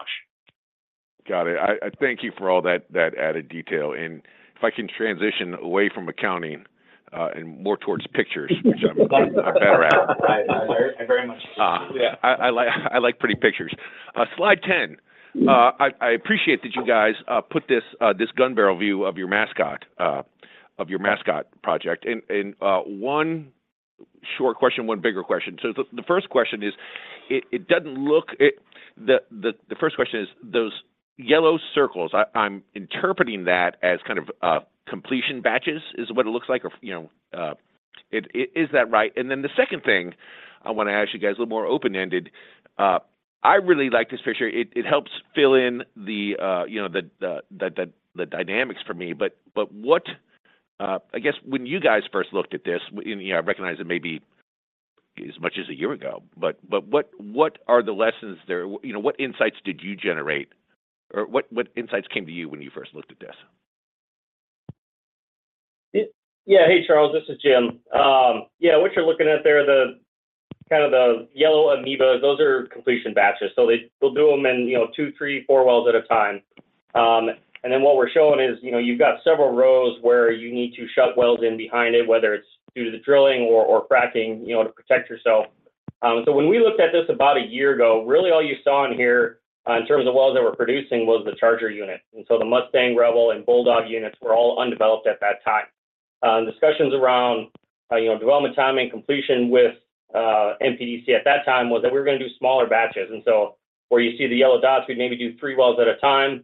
Got it. I thank you for all that added detail. And if I can transition away from accounting and more towards pictures, which I'm better at. I very much... Yeah, I like pretty pictures. Slide 10. I appreciate that you guys put this gun barrel view of your Mascot Project. One short question, one bigger question. So the first question is: The first question is, those yellow circles, I'm interpreting that as kind of completion batches, is what it looks like, or, you know, is that right? And then the second thing I wanna ask you guys, a little more open-ended. I really like this picture. It helps fill in the, you know, the dynamics for me. But what... I guess when you guys first looked at this, and, you know, I recognize it may be as much as a year ago, but what are the lessons there? You know, what insights did you generate, or what insights came to you when you first looked at this? Yeah. Hey, Charles, this is Jim. Yeah, what you're looking at there, the kind of the yellow amoeba, those are completion batches. So they'll do them in, you know, two, three, four wells at a time. And then what we're showing is, you know, you've got several rows where you need to shut wells in behind it, whether it's due to the drilling or fracking, to protect yourself. So when we looked at this about a year ago, really all you saw in here, in terms of wells that we're producing, was the Charger unit. And so the Mustang, Rebel, and Bulldog units were all undeveloped at that time. Discussions around, you know, development timing, completion with MPDC at that time, was that we were gonna do smaller batches. So where you see the yellow dots, we'd maybe do three wells at a time.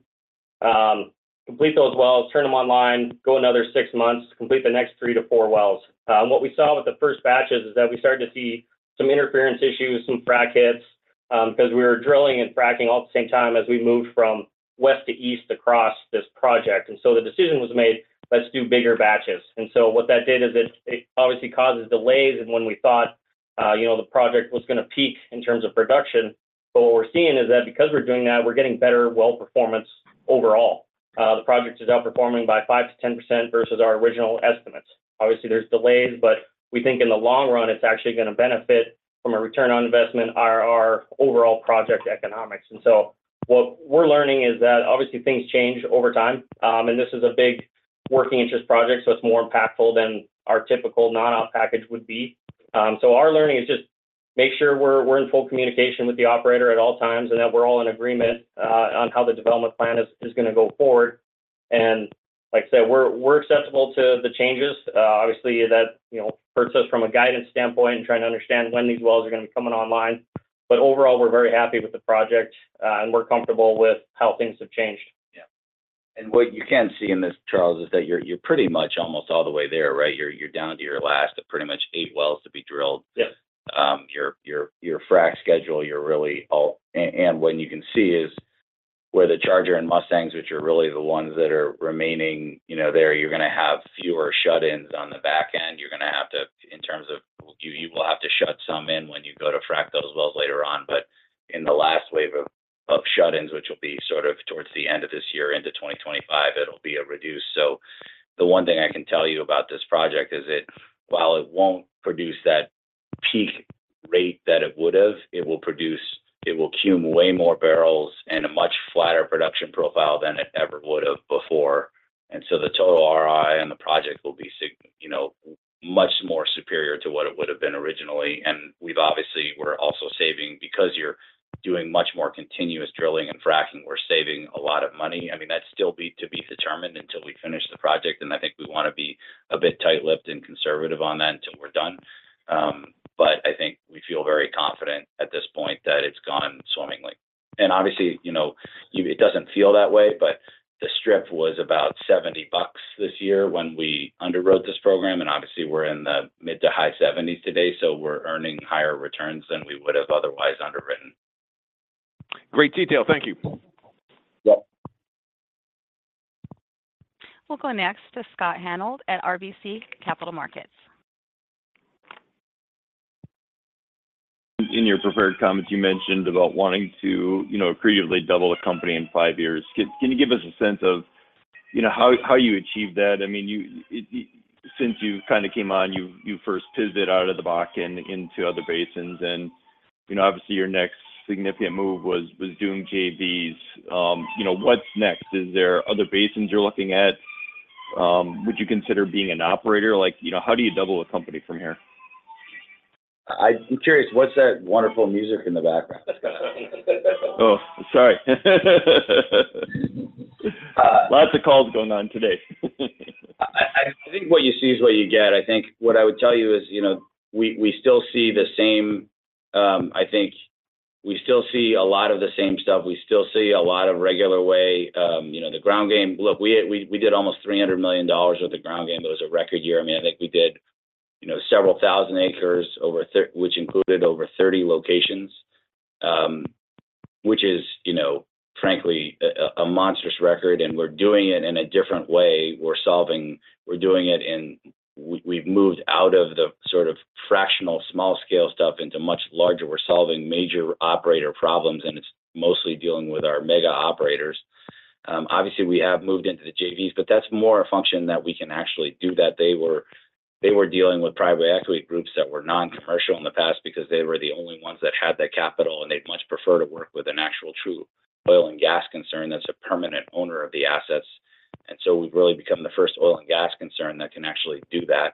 Complete those wells, turn them online, go another six months, complete the next three to four wells. What we saw with the first batches is that we started to see some interference issues, some frac hits, because we were drilling and fracking all at the same time as we moved from west to east across this project. So the decision was made, let's do bigger batches. So what that did is it, it obviously causes delays, and when we thought, you know, the project was gonna peak in terms of production, but what we're seeing is that because we're doing that, we're getting better well performance overall. The project is outperforming by 5%-10% versus our original estimates. Obviously, there's delays, but we think in the long run, it's actually gonna benefit from a return on investment ROI-... overall project economics. And so what we're learning is that obviously things change over time, and this is a big working interest project, so it's more impactful than our typical non-op package would be. So our learning is just make sure we're in full communication with the operator at all times, and that we're all in agreement on how the development plan is gonna go forward. And like I said, we're acceptable to the changes. Obviously, that, you know, hurts us from a guidance standpoint and trying to understand when these wells are gonna be coming online. But overall, we're very happy with the project, and we're comfortable with how things have changed. Yeah. What you can see in this, Charles, is that you're pretty much almost all the way there, right? You're down to your last, pretty much eight wells to be drilled. Yep. Your frack schedule, you're really all in and what you can see is where the Charger and Mustangs, which are really the ones that are remaining, you know, there, you're gonna have fewer shut-ins on the back end. You're gonna have to, in terms of... You will have to shut some in when you go to frack those wells later on. But in the last wave of shut-ins, which will be sort of towards the end of this year into 2025, it'll be reduced. So the one thing I can tell you about this project is it, while it won't produce that peak rate that it would have, it will produce, it will cum way more barrels and a much flatter production profile than it ever would have before. And so the total ROI on the project will be significantly, you know, much more superior to what it would have been originally. And we've obviously, we're also saving. Because you're doing much more continuous drilling and fracking, we're saving a lot of money. I mean, that's still to be determined until we finish the project, and I think we wanna be a bit tight-lipped and conservative on that until we're done. But I think we feel very confident at this point that it's gone swimmingly. And obviously, you know, it doesn't feel that way, but the strip was about $70 this year when we underwrote this program, and obviously, we're in the mid- to high $70s today, so we're earning higher returns than we would have otherwise underwritten. Great detail. Thank you. Yep. We'll go next to Scott Hanold at RBC Capital Markets. In your prepared comments, you mentioned about wanting to, you know, creatively double the company in five years. Can you give us a sense of, you know, how you achieve that? I mean, since you kinda came on, you first pivoted out of the Bakken into other basins, and, you know, obviously, your next significant move was doing JVs. You know, what's next? Is there other basins you're looking at? Would you consider being an operator? Like, you know, how do you double a company from here? I'm curious, what's that wonderful music in the background? Oh, sorry. Lots of calls going on today. I think what you see is what you get. I think what I would tell you is, you know, we still see the same. I think we still see a lot of the same stuff. We still see a lot of regular way, you know, the ground game. Look, we did almost $300 million with the ground game. It was a record year. I mean, I think we did, you know, several thousand acres over thir-- which included over 30 locations, which is, you know, frankly, a monstrous record, and we're doing it in a different way. We're solving- we're doing it in-- We've moved out of the sort of fractional, small scale stuff into much larger. We're solving major operator problems, and it's mostly dealing with our mega operators. Obviously, we have moved into the JVs, but that's more a function that we can actually do that. They were dealing with private equity groups that were non-commercial in the past because they were the only ones that had the capital, and they'd much prefer to work with an actual true oil and gas concern that's a permanent owner of the assets. And so we've really become the first oil and gas concern that can actually do that.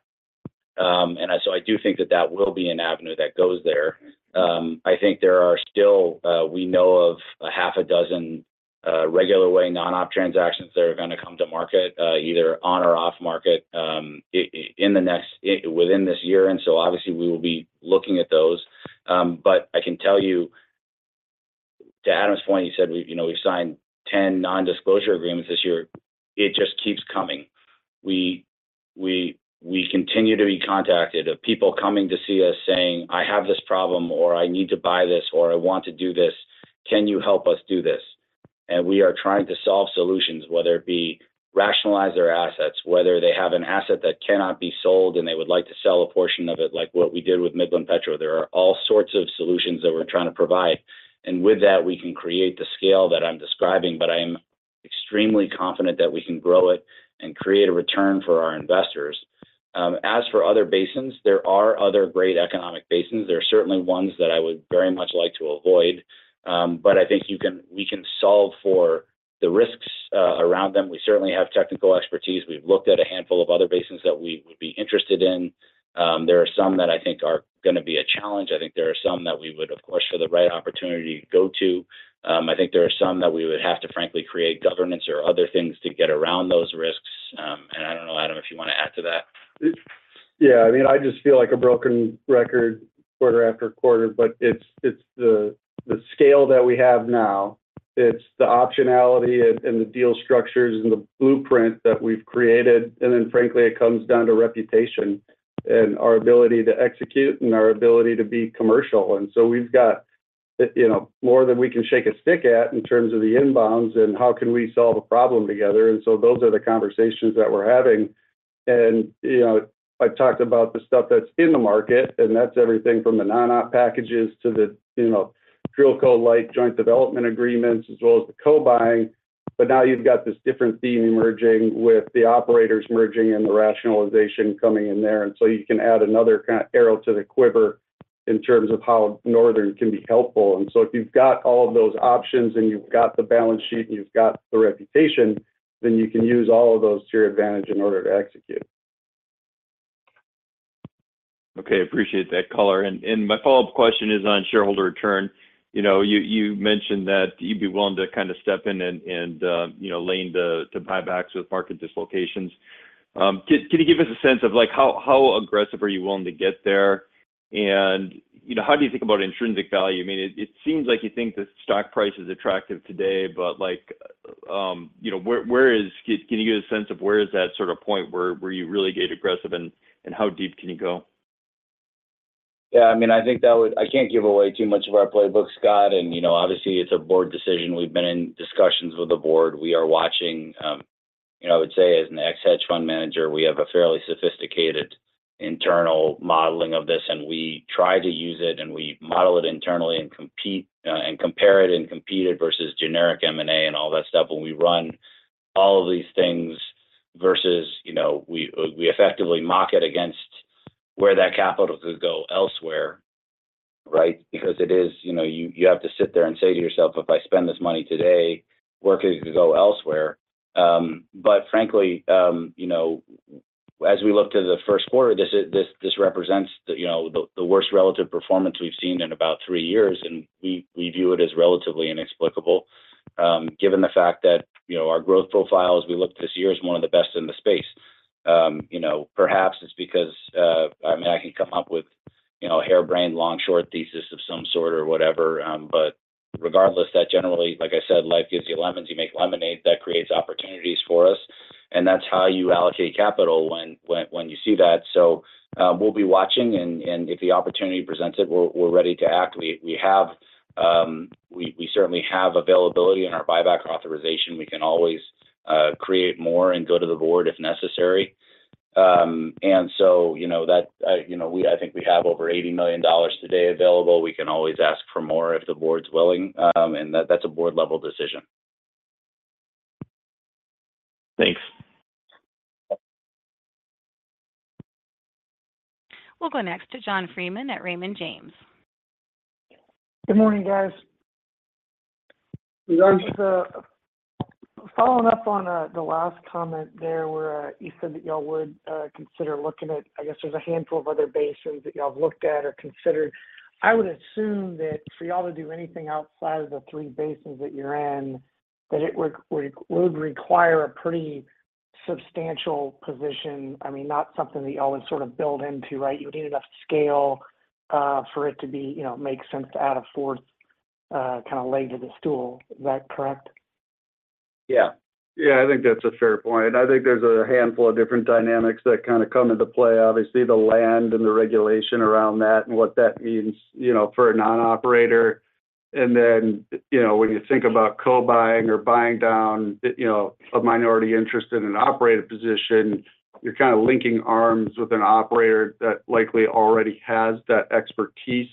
And so I do think that that will be an avenue that goes there. I think there are still, we know of a half a dozen, regular way, non-op transactions that are gonna come to market, either on or off market, within this year, and so obviously, we will be looking at those. But I can tell you, to Adam's point, he said, "We've, you know, we've signed 10 nondisclosure agreements this year." It just keeps coming. We continue to be contacted of people coming to see us saying, "I have this problem," or, "I need to buy this," or, "I want to do this. Can you help us do this?" And we are trying to solve solutions, whether it be rationalize their assets, whether they have an asset that cannot be sold, and they would like to sell a portion of it, like what we did with Midland Petro. There are all sorts of solutions that we're trying to provide, and with that, we can create the scale that I'm describing, but I am extremely confident that we can grow it and create a return for our investors. As for other basins, there are other great economic basins. There are certainly ones that I would very much like to avoid, but I think we can solve for the risks around them. We certainly have technical expertise. We've looked at a handful of other basins that we would be interested in. There are some that I think are gonna be a challenge. I think there are some that we would, of course, for the right opportunity, go to. I think there are some that we would have to, frankly, create governance or other things to get around those risks. And I don't know, Adam, if you wanna add to that. Yeah, I mean, I just feel like a broken record quarter after quarter, but it's the scale that we have now, it's the optionality and the deal structures and the blueprint that we've created, and then frankly, it comes down to reputation and our ability to execute and our ability to be commercial. And so we've got, you know, more than we can shake a stick at in terms of the inbounds and how can we solve a problem together, and so those are the conversations that we're having. And, you know, I've talked about the stuff that's in the market, and that's everything from the non-op packages to the, you know, DrillCo like joint development agreements, as well as the co-buying.... But now you've got this different theme emerging with the operators merging and the rationalization coming in there. And so you can add another kind of arrow to the quiver in terms of how Northern can be helpful. And so if you've got all of those options, and you've got the balance sheet, and you've got the reputation, then you can use all of those to your advantage in order to execute. Okay, appreciate that color. And my follow-up question is on shareholder return. You know, you mentioned that you'd be willing to kind of step in and, you know, lean to buybacks with market dislocations. Can you give us a sense of, like, how aggressive are you willing to get there? And, you know, how do you think about intrinsic value? I mean, it seems like you think the stock price is attractive today, but, like, you know, where is that sort of point where you really get aggressive and how deep can you go? Yeah, I mean, I think that would, I can't give away too much of our playbook, Scott. And, you know, obviously, it's a board decision. We've been in discussions with the board. We are watching... You know, I would say, as an ex-hedge fund manager, we have a fairly sophisticated internal modeling of this, and we try to use it, and we model it internally and compete, and compare it, and compete it versus generic M&A and all that stuff. When we run all of these things versus, you know, we, we effectively mock it against where that capital could go elsewhere, right? Because it is... You know, you have to sit there and say to yourself, "If I spend this money today, where could it go elsewhere?" But frankly, you know, as we look to the first quarter, this represents the, you know, the worst relative performance we've seen in about three years, and we view it as relatively inexplicable. Given the fact that, you know, our growth profile, as we look this year, is one of the best in the space. You know, perhaps it's because, I mean, I can come up with, you know, a hare-brained, long-short thesis of some sort or whatever, but regardless, that generally, like I said, life gives you lemons, you make lemonade. That creates opportunities for us, and that's how you allocate capital when you see that. So, we'll be watching and if the opportunity presents it, we're ready to act. We certainly have availability in our buyback authorization. We can always create more and go to the board if necessary. And so, you know, that, you know, I think we have over $80 million today available. We can always ask for more if the board's willing, and that, that's a board-level decision. Thanks. We'll go next to John Freeman at Raymond James. Good morning, guys. Just following up on the last comment there, where you said that y'all would consider looking at... I guess there's a handful of other basins that y'all have looked at or considered. I would assume that for y'all to do anything outside of the three basins that you're in, that it would require a pretty substantial position. I mean, not something that y'all would sort of build into, right? You would need enough scale for it to be you know, make sense to add a fourth kind of leg to the stool. Is that correct? Yeah. Yeah, I think that's a fair point. I think there's a handful of different dynamics that kind of come into play. Obviously, the land and the regulation around that, and what that means, you know, for a non-operator. And then, you know, when you think about co-buying or buying down, you know, a minority interest in an operator position, you're kind of linking arms with an operator that likely already has that expertise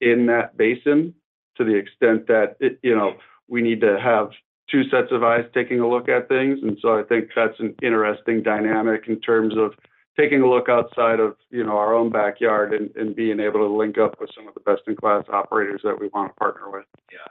in that basin, to the extent that it, you know, we need to have two sets of eyes taking a look at things. And so I think that's an interesting dynamic in terms of taking a look outside of, you know, our own backyard and being able to link up with some of the best-in-class operators that we want to partner with. Yeah.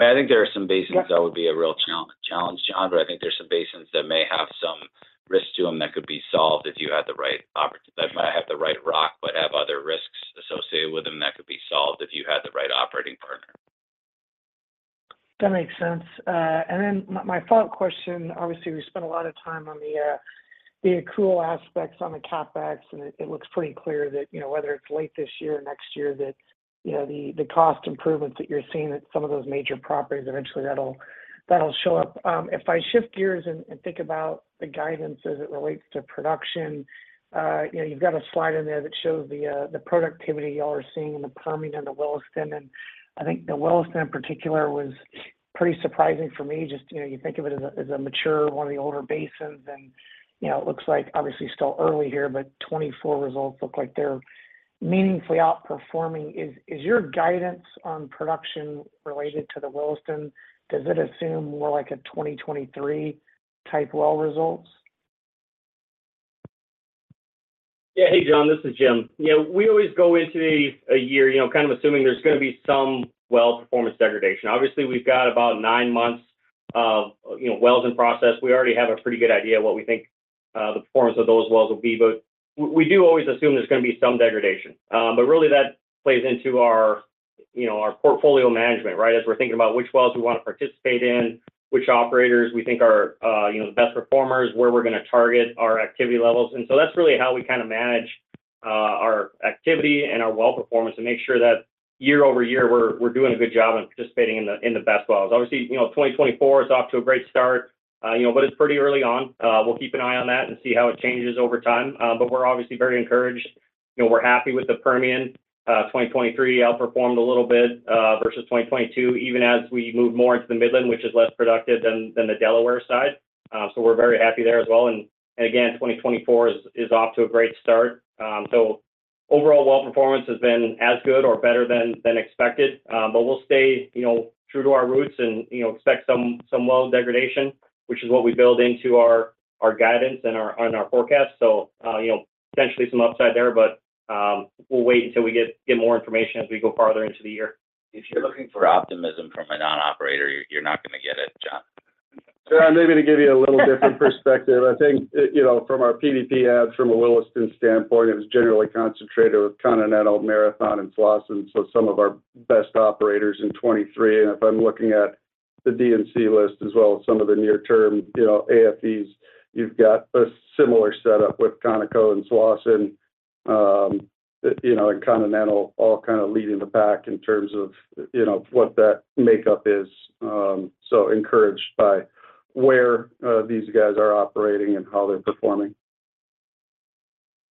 I think there are some basins that would be a real challenge, John, but I think there are some basins that may have some risks to them that could be solved if you had the right operator that might have the right rock, but have other risks associated with them that could be solved if you had the right operating partner. That makes sense. And then my, my follow-up question, obviously, we spent a lot of time on the, the accrual aspects on the CapEx, and it, it looks pretty clear that, you know, whether it's late this year or next year, that, you know, the, the cost improvements that you're seeing at some of those major properties, eventually that'll, that'll show up. If I shift gears and, and think about the guidance as it relates to production, you know, you've got a slide in there that shows the, the productivity y'all are seeing in the Permian and the Williston. And I think the Williston, in particular, was pretty surprising for me, just, you know, you think of it as a, as a mature, one of the older basins. You know, it looks like, obviously, still early here, but 2024 results look like they're meaningfully outperforming. Is your guidance on production related to the Williston, does it assume more like a 2023 type well results? Yeah. Hey, John, this is Jim. You know, we always go into a year, you know, kind of assuming there's gonna be some well performance degradation. Obviously, we've got about nine months of wells in process. We already have a pretty good idea of what we think the performance of those wells will be, but we do always assume there's gonna be some degradation. But really that plays into our, you know, our portfolio management, right? As we're thinking about which wells we want to participate in, which operators we think are, you know, the best performers, where we're gonna target our activity levels. And so that's really how we kind of manage our activity and our well performance to make sure that year-over-year, we're doing a good job on participating in the best wells. Obviously, you know, 2024 is off to a great start, you know, but it's pretty early on. We'll keep an eye on that and see how it changes over time. But we're obviously very encouraged. You know, we're happy with the Permian. 2023 outperformed a little bit, versus 2022, even as we move more into the Midland, which is less productive than the Delaware side. So we're very happy there as well. And again, 2024 is off to a great start. Overall, well performance has been as good or better than expected. But we'll stay, you know, true to our roots and, you know, expect some well degradation, which is what we build into our guidance and our forecast. So, you know, potentially some upside there, but, we'll wait until we get more information as we go farther into the year. If you're looking for optimism from a non-operator, you're not gonna get it, John. Yeah, maybe to give you a little different perspective, I think, you know, from our PDP adds, from a Williston standpoint, it was generally concentrated with Continental, Marathon, and Slawson, so some of our best operators in 2023. And if I'm looking at the D&C list as well as some of the near-term, you know, AFEs, you've got a similar setup with Conoco and Slawson, you know, and Continental all kind of leading the pack in terms of, you know, what that makeup is. So encouraged by where these guys are operating and how they're performing.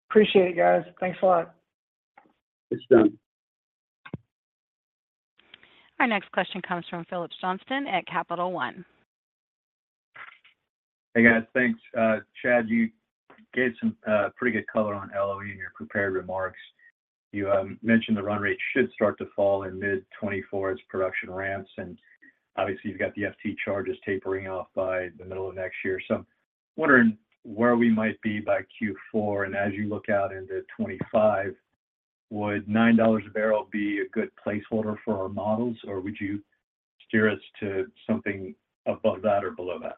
Appreciate it, guys. Thanks a lot. It's done. Our next question comes from Phillips Johnston at Capital One. Hey, guys. Thanks. Chad, you gave some pretty good color on LOE in your prepared remarks. You mentioned the run rate should start to fall in mid 2024 as production ramps, and obviously, you've got the FT charges tapering off by the middle of next year. So wondering where we might be by Q4, and as you look out into 2025, would $9 a barrel be a good placeholder for our models, or would you steer us to something above that or below that?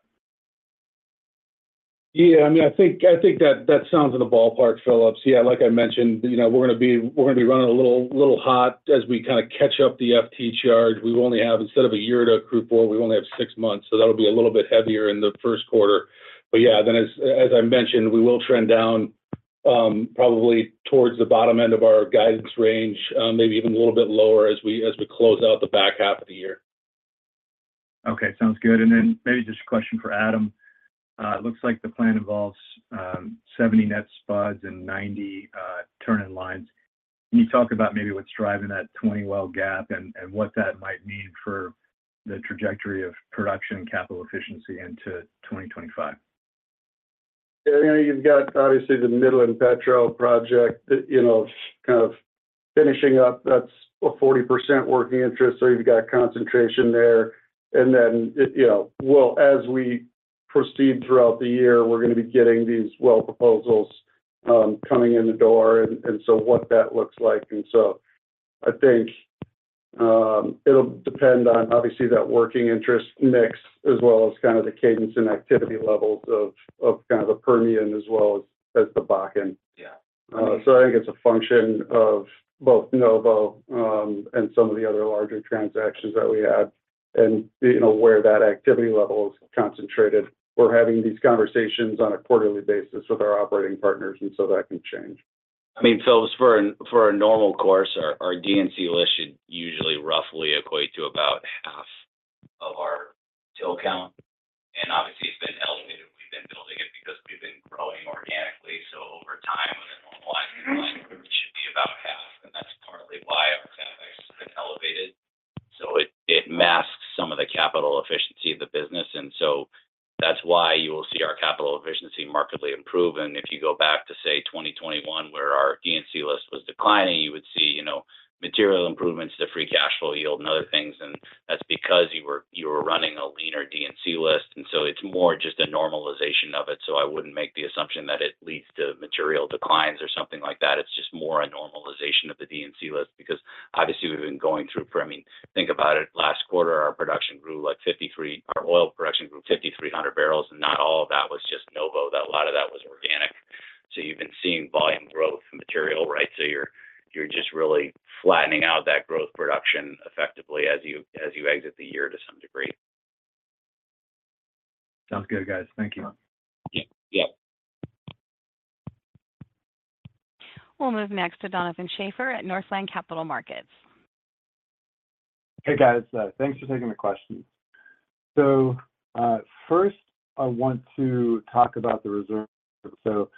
Yeah, I mean, I think, I think that, that sounds in the ballpark, Phillips. Yeah, like I mentioned, you know, we're gonna be- we're gonna be running a little, little hot as we kind of catch up the FT charge. We only have, instead of a year to accrue for, we only have six months, so that'll be a little bit heavier in the first quarter. But yeah, then as, as I mentioned, we will trend down, probably towards the bottom end of our guidance range, maybe even a little bit lower as we, as we close out the back half of the year. Okay. Sounds good. And then maybe just a question for Adam. It looks like the plan involves, 70 net spuds and 90 turning lines. Can you talk about maybe what's driving that 20 well gap and, and what that might mean for the trajectory of production and capital efficiency into 2025? Yeah, you've got obviously the Midland Petro project that, you know, kind of finishing up. That's a 40% working interest, so you've got concentration there. And then, it, you know, well, as we proceed throughout the year, we're gonna be getting these well proposals coming in the door, and so what that looks like. And so I think it'll depend on, obviously, that working interest mix, as well as kind of the cadence and activity levels of kind of the Permian as well as the Bakken. Yeah. So I think it's a function of both Novo and some of the other larger transactions that we had and, you know, where that activity level is concentrated. We're having these conversations on a quarterly basis with our operating partners, and so that can change. I mean, Phillips, for a normal course, our D&C list should usually roughly equate to about half of our TIL count, and obviously, it's been elevated. We've been building it because we've been growing organically, so over time, with a normalized line, it should be about half, and that's partly why our cap has been elevated. So it masks some of the capital efficiency of the business, and so that's why you will see our capital efficiency markedly improve. And if you go back to, say, 2021, where our D&C list was declining, you would see, you know, material improvements to free cash flow yield and other things, and that's because you were running a leaner D&C list, and so it's more just a normalization of it. So I wouldn't make the assumption that it leads to material declines or something like that. It's just more a normalization of the D&C list, because obviously, we've been going through... I mean, think about it, last quarter, our production grew, like, 5,300—our oil production grew 5,300 barrels, and not all of that was just Novo, that a lot of that was organic. So you've been seeing volume growth material, right? So you're just really flattening out that growth production effectively as you exit the year to some degree. Sounds good, guys. Thank you. Yeah. Yeah. We'll move next to Donovan Schafer at Northland Capital Markets. Hey, guys. Thanks for taking the question. So, first, I want to talk about the reserve. So,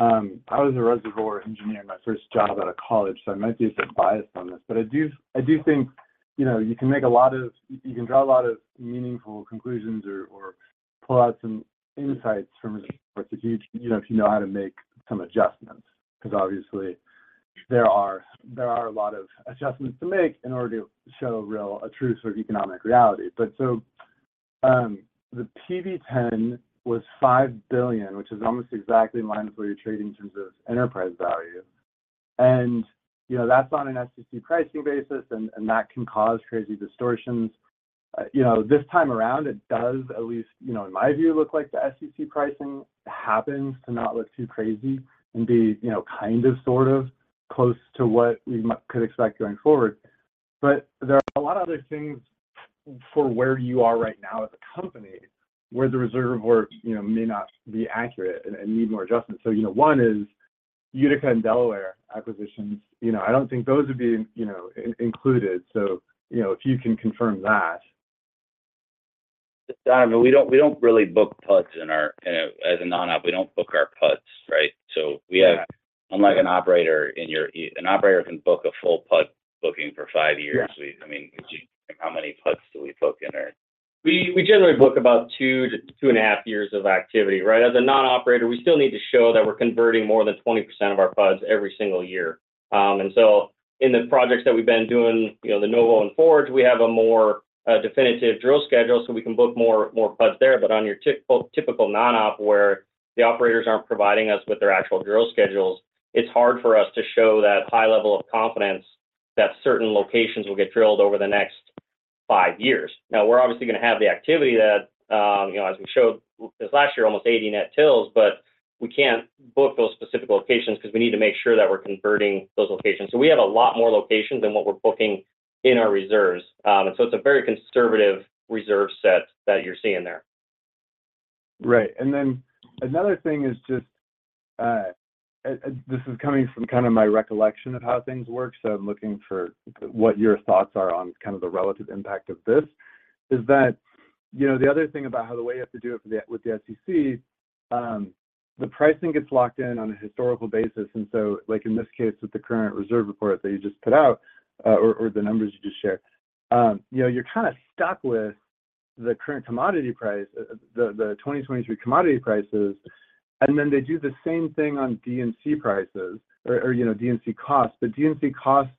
I was a reservoir engineer in my first job out of college, so I might be a bit biased on this, but I do, I do think, you know, you can make a lot of-- you can draw a lot of meaningful conclusions or, or pull out some insights from reserve, if you, you know, if you know how to make some adjustments, because obviously, there are, there are a lot of adjustments to make in order to show real, a true sort of economic reality. But so, the PV-10 was $5 billion, which is almost exactly in line with where you're trading in terms of enterprise value. And, you know, that's on an SEC pricing basis, and, and that can cause crazy distortions. You know, this time around, it does, at least, you know, in my view, look like the SEC pricing happens to not look too crazy and be, you know, kind of, sort of close to what we might could expect going forward. But there are a lot of other things for where you are right now as a company, where the reserve reports, you know, may not be accurate and need more adjustment. So, you know, one is Utica and Delaware acquisitions. You know, I don't think those would be, you know, included. So, you know, if you can confirm that. Donovan, we don't, we don't really book PUDs in our... As a non-op, we don't book our PUDs, right? So we have- Yeah. Unlike an operator, an operator can book a full PUD booking for five years. Yeah. I mean, would you-- how many PUDs do we book in our?... We generally book about 2-2.5 years of activity, right? As a non-operator, we still need to show that we're converting more than 20% of our PUDs every single year. And so in the projects that we've been doing, you know, the Novo and Forge, we have a more definitive drill schedule, so we can book more PUDs there. But on your typical non-op, where the operators aren't providing us with their actual drill schedules, it's hard for us to show that high level of confidence that certain locations will get drilled over the next 5 years. Now, we're obviously gonna have the activity that, you know, as we showed this last year, almost 80 net TILs, but we can't book those specific locations because we need to make sure that we're converting those locations. So we have a lot more locations than what we're booking in our reserves. And so it's a very conservative reserve set that you're seeing there. Right. And then another thing is just, this is coming from kind of my recollection of how things work, so I'm looking for what your thoughts are on kind of the relative impact of this. Is that, you know, the other thing about how the way you have to do it for the, with the SEC, the pricing gets locked in on a historical basis, and so, like, in this case, with the current reserve report that you just put out, or the numbers you just shared, you know, you're kind of stuck with the current commodity price, the 2023 commodity prices, and then they do the same thing on D and C prices or, you know, D and C costs. But D and C costs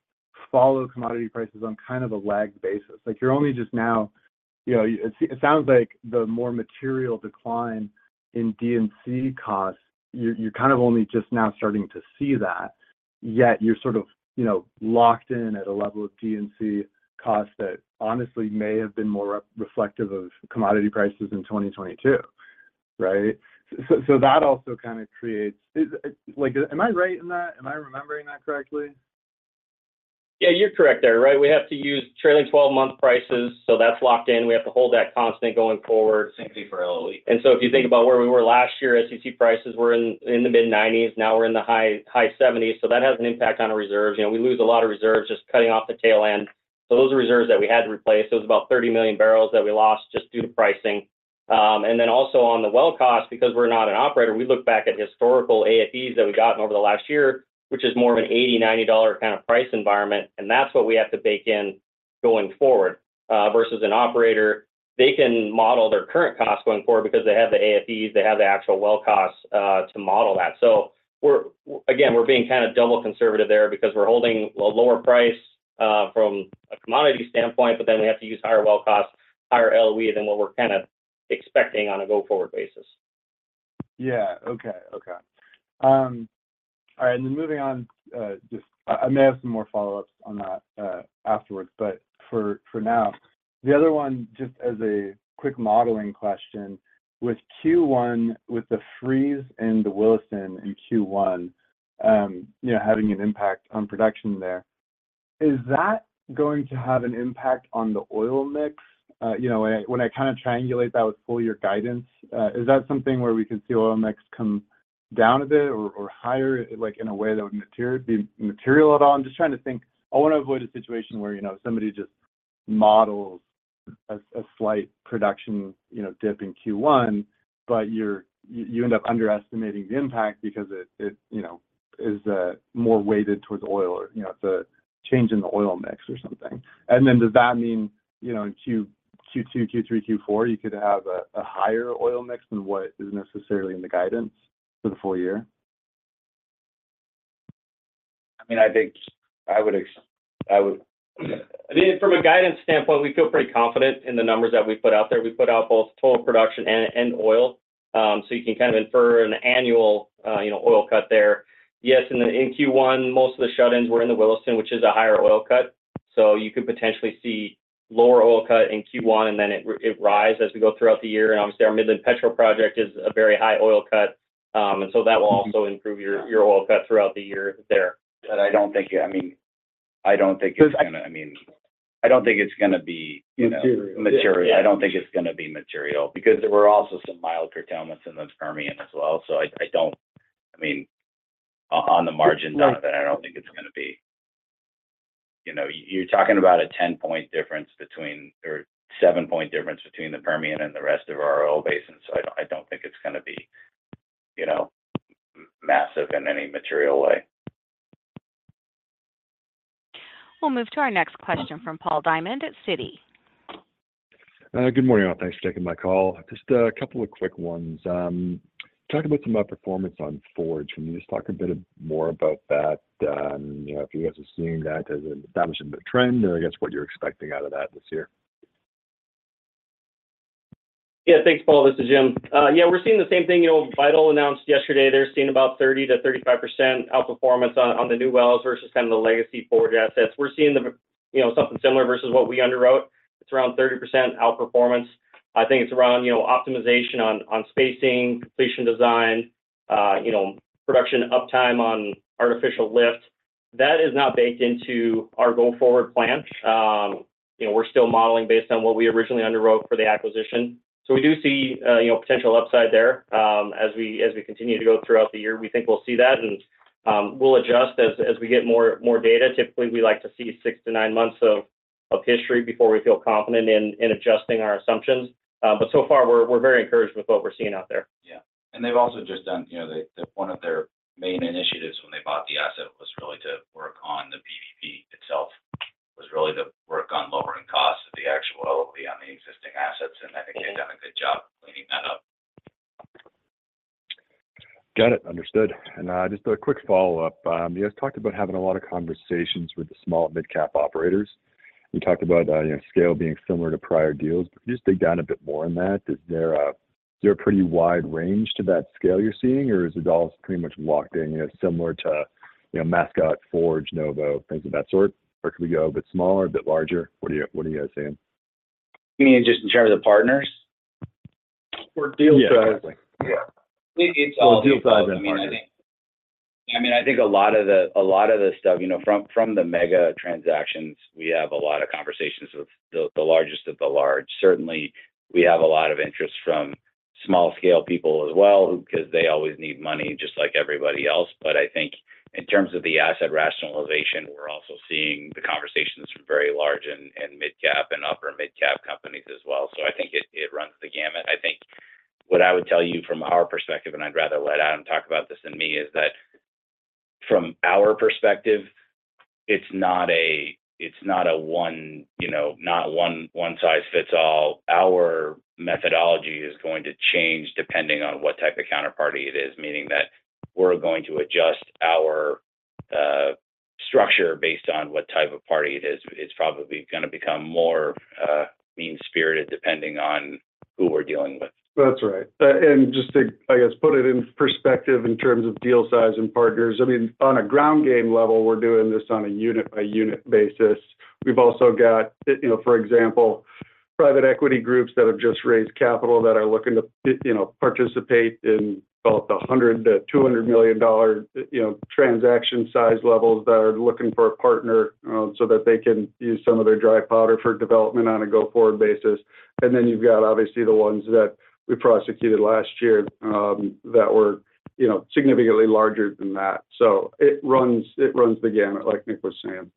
follow commodity prices on kind of a lagged basis. Like, you're only just now—you know, it sounds like the more material decline in D and C costs, you're kind of only just now starting to see that, yet you're sort of, you know, locked in at a level of D and C costs that honestly may have been more reflective of commodity prices in 2022, right? So that also kind of creates... Is, like, am I right in that? Am I remembering that correctly? Yeah, you're correct there, right? We have to use trailing twelve-month prices, so that's locked in. We have to hold that constant going forward. Same thing for LOE. If you think about where we were last year, SEC prices were in the mid-$90s, now we're in the high 70s. So that has an impact on our reserves. You know, we lose a lot of reserves just cutting off the tail end. So those are reserves that we had to replace. It was about 30 million barrels that we lost just due to pricing. And then also on the well cost, because we're not an operator, we look back at historical AFEs that we've gotten over the last year, which is more of an $80-$90 kind of price environment, and that's what we have to bake in going forward. Versus an operator, they can model their current costs going forward because they have the AFEs, they have the actual well costs to model that. So we're... Again, we're being kind of double conservative there because we're holding a lower price from a commodity standpoint, but then we have to use higher well costs, higher LOE than what we're kind of expecting on a go-forward basis. Yeah. Okay, okay. All right, and then moving on, just I may have some more follow-ups on that afterwards, but for now, the other one, just as a quick modeling question: with Q1, with the freeze in the Williston in Q1, you know, having an impact on production there, is that going to have an impact on the oil mix? You know, when I kind of triangulate that with full year guidance, is that something where we could see oil mix come down a bit or higher, like, in a way that would material- be material at all? I'm just trying to think. I want to avoid a situation where, you know, somebody just models a slight production, you know, dip in Q1, but you end up underestimating the impact because it, you know, is more weighted towards oil or, you know, it's a change in the oil mix or something. And then does that mean, you know, in Q2, Q3, Q4, you could have a higher oil mix than what is necessarily in the guidance for the full year? I mean, I think I would... I mean, from a guidance standpoint, we feel pretty confident in the numbers that we put out there. We put out both total production and oil. So you can kind of infer an annual, you know, oil cut there. Yes, in Q1, most of the shut-ins were in the Williston, which is a higher oil cut, so you could potentially see lower oil cut in Q1, and then it rise as we go throughout the year. And obviously, our Midland Petro project is a very high oil cut, and so that will also improve your oil cut throughout the year there. But I don't think, I mean, I don't think it's gonna, I mean, I don't think it's gonna be, you know- Material... material. I don't think it's gonna be material because there were also some mild curtailments in the Permian as well. So I don't... I mean, on the margins of it, I don't think it's gonna be... You know, you're talking about a 10-point difference between, or 7-point difference between the Permian and the rest of our oil basin. So I don't think it's gonna be, you know, massive in any material way. We'll move to our next question from Paul Diamond at Citi. Good morning, all. Thanks for taking my call. Just a couple of quick ones. Talking about some of performance on Forge, can you just talk a bit more about that? You know, if you guys are seeing that as an establishment of a trend or I guess, what you're expecting out of that this year? Yeah, thanks, Paul. This is Jim. Yeah, we're seeing the same thing. You know, Vital announced yesterday they're seeing about 30%-35% outperformance on, on the new wells versus kind of the legacy Forge assets. We're seeing the, you know, something similar versus what we underwrote. It's around 30% outperformance. I think it's around, you know, optimization on, on spacing, completion design, you know, production uptime on artificial lift. That is now baked into our go-forward plan. You know, we're still modeling based on what we originally underwrote for the acquisition. So we do see, you know, potential upside there. As we continue to go throughout the year, we think we'll see that, and we'll adjust as we get more data. Typically, we like to see 6-9 months of history before we feel confident in adjusting our assumptions. But so far, we're very encouraged with what we're seeing out there. Yeah. They've also just done, you know, one of their main initiatives when they bought the asset was really to work on the PDP itself, was really to work on lowering costs of the actual OP on the existing assets, and I think they've done a good job cleaning that up. Got it. Understood. And, just a quick follow-up. You guys talked about having a lot of conversations with the small mid-cap operators. You talked about, you know, scale being similar to prior deals. But can you just dig down a bit more on that? Is there a pretty wide range to that scale you're seeing, or is it all pretty much locked in, you know, similar to, you know, Mascot, Forge, Novo, things of that sort? Or can we go a bit smaller, a bit larger? What are you guys seeing? You mean just in terms of the partners? Or deal size? Yeah. It's all- Or deal size and partners... I mean, I think, I mean, I think a lot of the, a lot of the stuff, you know, from, from the mega transactions, we have a lot of conversations with the, the largest of the large. Certainly, we have a lot of interest from small scale people as well, who, because they always need money just like everybody else. But I think in terms of the asset rationalization, we're also seeing the conversations from very large and, and mid-cap and upper mid-cap companies as well. So I think it, it runs the gamut. I think what I would tell you from our perspective, and I'd rather let Adam talk about this than me, is that from our perspective, it's not a, it's not a one, you know, not one, one size fits all. Our methodology is going to change depending on what type of counterparty it is, meaning that we're going to adjust our structure based on what type of party it is. It's probably gonna become more mean-spirited, depending on who we're dealing with. That's right. And just to, I guess, put it in perspective in terms of deal size and partners, I mean, on a ground game level, we're doing this on a unit-by-unit basis. We've also got, you know, for example, private equity groups that have just raised capital that are looking to, you know, participate in both the $100 million-$200 million transaction size levels, that are looking for a partner, so that they can use some of their dry powder for development on a go-forward basis. And then you've got, obviously, the ones that we prosecuted last year, that were, you know, significantly larger than that. So it runs, it runs the gamut, like Nick was saying.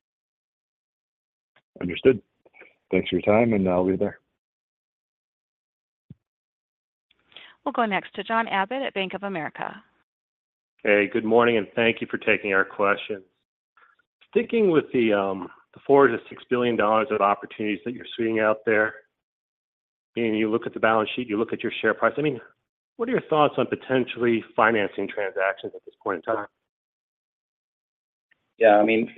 Understood. Thanks for your time, and I'll be there. We'll go next to John Abbott at Bank of America. Hey, good morning, and thank you for taking our questions. Sticking with the four to six billion dollars of opportunities that you're seeing out there, and you look at the balance sheet, you look at your share price. I mean, what are your thoughts on potentially financing transactions at this point in time? Yeah, I mean,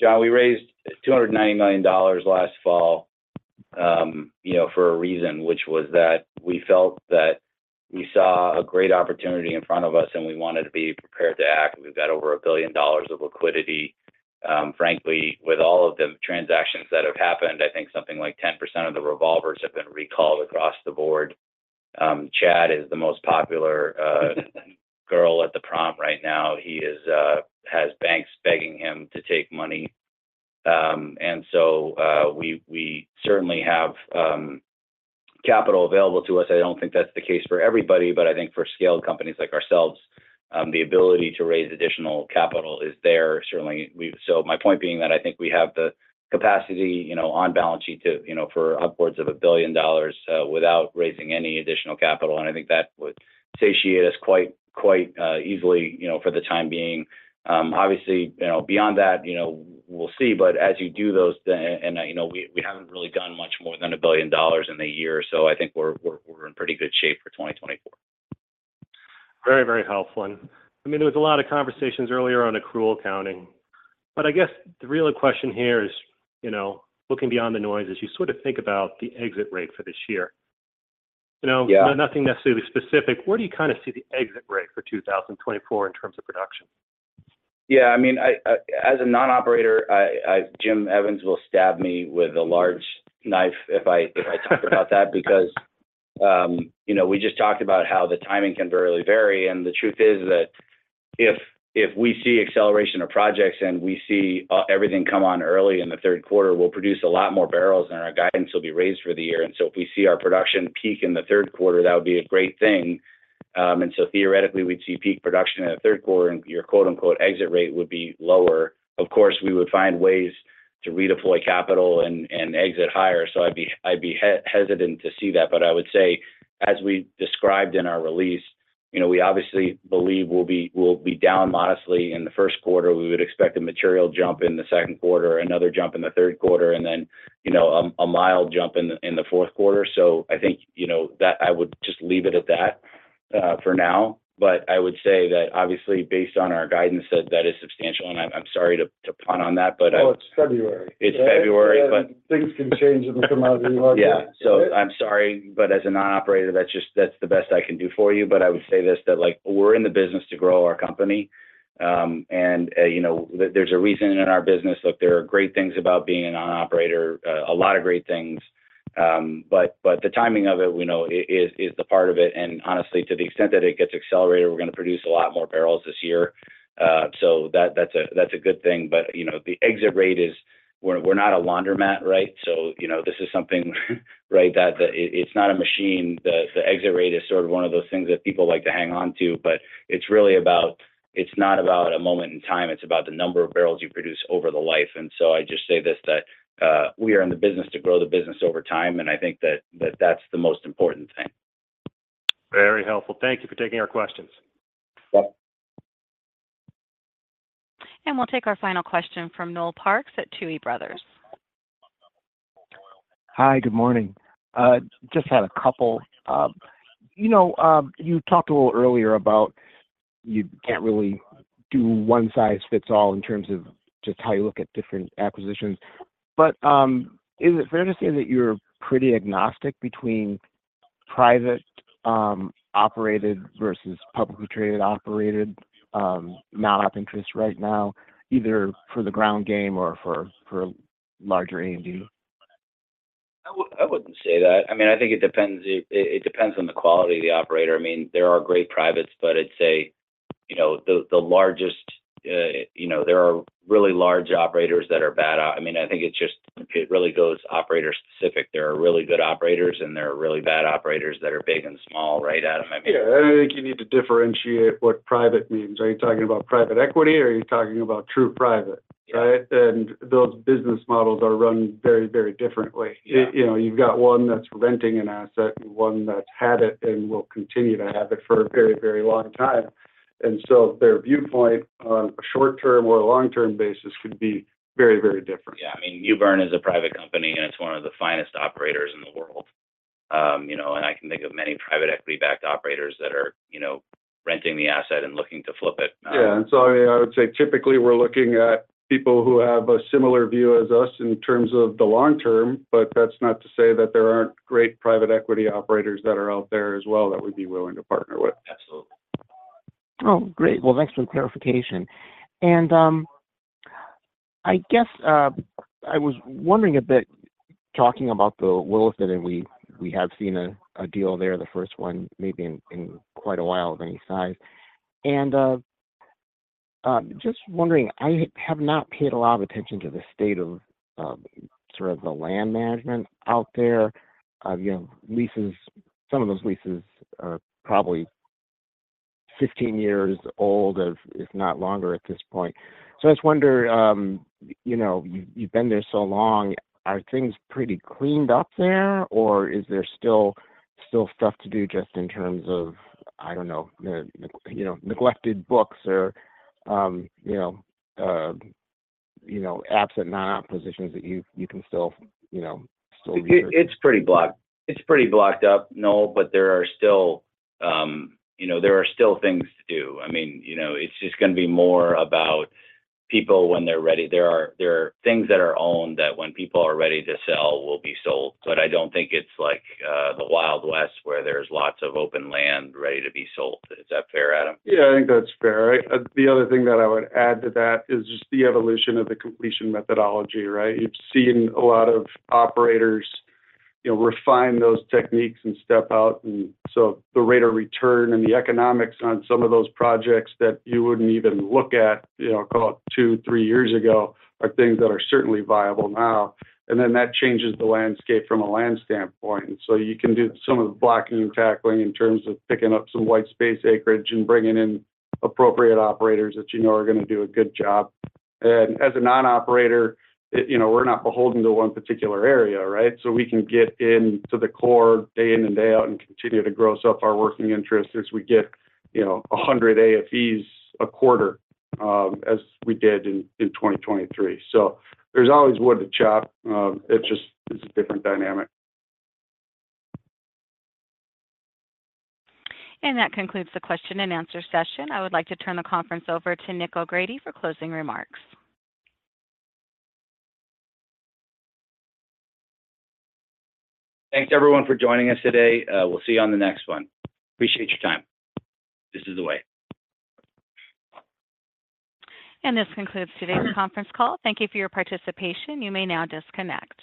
John, we raised $290 million last fall, you know, for a reason, which was that we felt that we saw a great opportunity in front of us, and we wanted to be prepared to act. We've got over $1 billion of liquidity. Frankly, with all of the transactions that have happened, I think something like 10% of the revolvers have been recalled across the board. Chad is the most popular girl at the prom right now. He is, has banks begging him to take money. And so, we certainly have capital available to us. I don't think that's the case for everybody, but I think for scaled companies like ourselves, the ability to raise additional capital is there. Certainly, we've so my point being that I think we have the capacity, you know, on balance sheet to, you know, for upwards of $1 billion without raising any additional capital, and I think that would satiate us quite, quite easily, you know, for the time being. Obviously, you know, beyond that, you know, we'll see, but as you do those and, you know, we, we haven't really done much more than $1 billion in a year, so I think we're, we're, we're in pretty good shape for 2024. Very, very helpful. And I mean, there was a lot of conversations earlier on accrual accounting, but I guess the real question here is, you know, looking beyond the noise, as you sort of think about the exit rate for this year, you know- Yeah... nothing necessarily specific, where do you kind of see the exit rate for 2024 in terms of production? Yeah, I mean, as a non-operator, Jim Evans will stab me with a large knife if I talk about that because, you know, we just talked about how the timing can really vary. And the truth is that if we see acceleration of projects and we see everything come on early in the third quarter, we'll produce a lot more barrels, and our guidance will be raised for the year. And so if we see our production peak in the third quarter, that would be a great thing. And so theoretically, we'd see peak production in the third quarter, and your, quote-unquote, "exit rate" would be lower. Of course, we would find ways to redeploy capital and exit higher, so I'd be hesitant to see that. But I would say, as we described in our release, you know, we obviously believe we'll be, we'll be down modestly in the first quarter. We would expect a material jump in the second quarter, another jump in the third quarter, and then, you know, a mild jump in the, in the fourth quarter. So I think, you know, that I would just leave it at that, for now. But I would say that obviously, based on our guidance, that that is substantial, and I'm, I'm sorry to, to punt on that, but I- Well, it's February. It's February, but- Things can change in the commodity market. Yeah. So I'm sorry, but as a non-operator, that's just—that's the best I can do for you. But I would say this, that, like, we're in the business to grow our company. And you know, there's a reason in our business... Look, there are great things about being a non-operator, a lot of great things. But the timing of it, we know, is the part of it, and honestly, to the extent that it gets accelerated, we're gonna produce a lot more barrels this year. So that, that's a good thing. But you know, the exit rate is... We're not a laundromat, right? So you know, this is something, right, that the—it's not a machine. The exit rate is sort of one of those things that people like to hang on to, but it's really about, it's not about a moment in time, it's about the number of barrels you produce over the life. And so I just say this, that we are in the business to grow the business over time, and I think that that's the most important thing. Very helpful. Thank you for taking our questions. Yep.... We'll take our final question from Noel Parks at Tuohy Brothers. Hi, good morning. Just had a couple. You know, you talked a little earlier about you can't really do one size fits all in terms of just how you look at different acquisitions. But, is it fair to say that you're pretty agnostic between private, operated versus publicly traded, operated, non-op interests right now, either for the ground game or for larger A&D? I wouldn't say that. I mean, I think it depends, it depends on the quality of the operator. I mean, there are great privates, but it's a, you know, the largest. You know, there are really large operators that are bad. I mean, I think it just really goes operator specific. There are really good operators, and there are really bad operators that are big and small, right, Adam? I mean- Yeah, and I think you need to differentiate what private means. Are you talking about private equity, or are you talking about true private? Yeah. Right? And those business models are run very, very differently. Yeah. You know, you've got one that's renting an asset and one that's had it and will continue to have it for a very, very long time. And so their viewpoint on a short-term or a long-term basis could be very, very different. Yeah. I mean, Mewbourne is a private company, and it's one of the finest operators in the world. You know, and I can think of many private equity-backed operators that are, you know, renting the asset and looking to flip it. Yeah. I mean, I would say typically we're looking at people who have a similar view as us in terms of the long term, but that's not to say that there aren't great private equity operators that are out there as well that we'd be willing to partner with. Absolutely. Oh, great. Well, thanks for the clarification. And, I guess, I was wondering a bit, talking about the Williston, and we have seen a deal there, the first one maybe in quite a while of any size. And, just wondering, I have not paid a lot of attention to the state of, sort of the land management out there. You know, leases, some of those leases are probably 15 years old, if not longer at this point. So I just wonder, you know, you, you've been there so long, are things pretty cleaned up there, or is there still stuff to do just in terms of, I don't know, you know, neglected books or, you know, absent non-op positions that you've— you can still, you know, still- It's pretty blocked up, Noel, but there are still, you know, there are still things to do. I mean, you know, it's just gonna be more about people when they're ready. There are things that are owned that when people are ready to sell, will be sold. But I don't think it's like the Wild West, where there's lots of open land ready to be sold. Is that fair, Adam? Yeah, I think that's fair. I... The other thing that I would add to that is just the evolution of the completion methodology, right? You've seen a lot of operators, you know, refine those techniques and step out, and so the rate of return and the economics on some of those projects that you wouldn't even look at, you know, call it two, three years ago, are things that are certainly viable now. And then that changes the landscape from a land standpoint. So you can do some of the blocking and tackling in terms of picking up some white space acreage and bringing in appropriate operators that you know are gonna do a good job. And as a non-operator, it, you know, we're not beholden to one particular area, right? So we can get into the core day in and day out and continue to gross up our working interest as we get, you know, 100 AFEs a quarter, as we did in 2023. So there's always wood to chop. It's just, it's a different dynamic. That concludes the question and answer session. I would like to turn the conference over to Nick O'Grady for closing remarks. Thanks, everyone, for joining us today. We'll see you on the next one. Appreciate your time. This is the way. This concludes today's conference call. Thank you for your participation. You may now disconnect.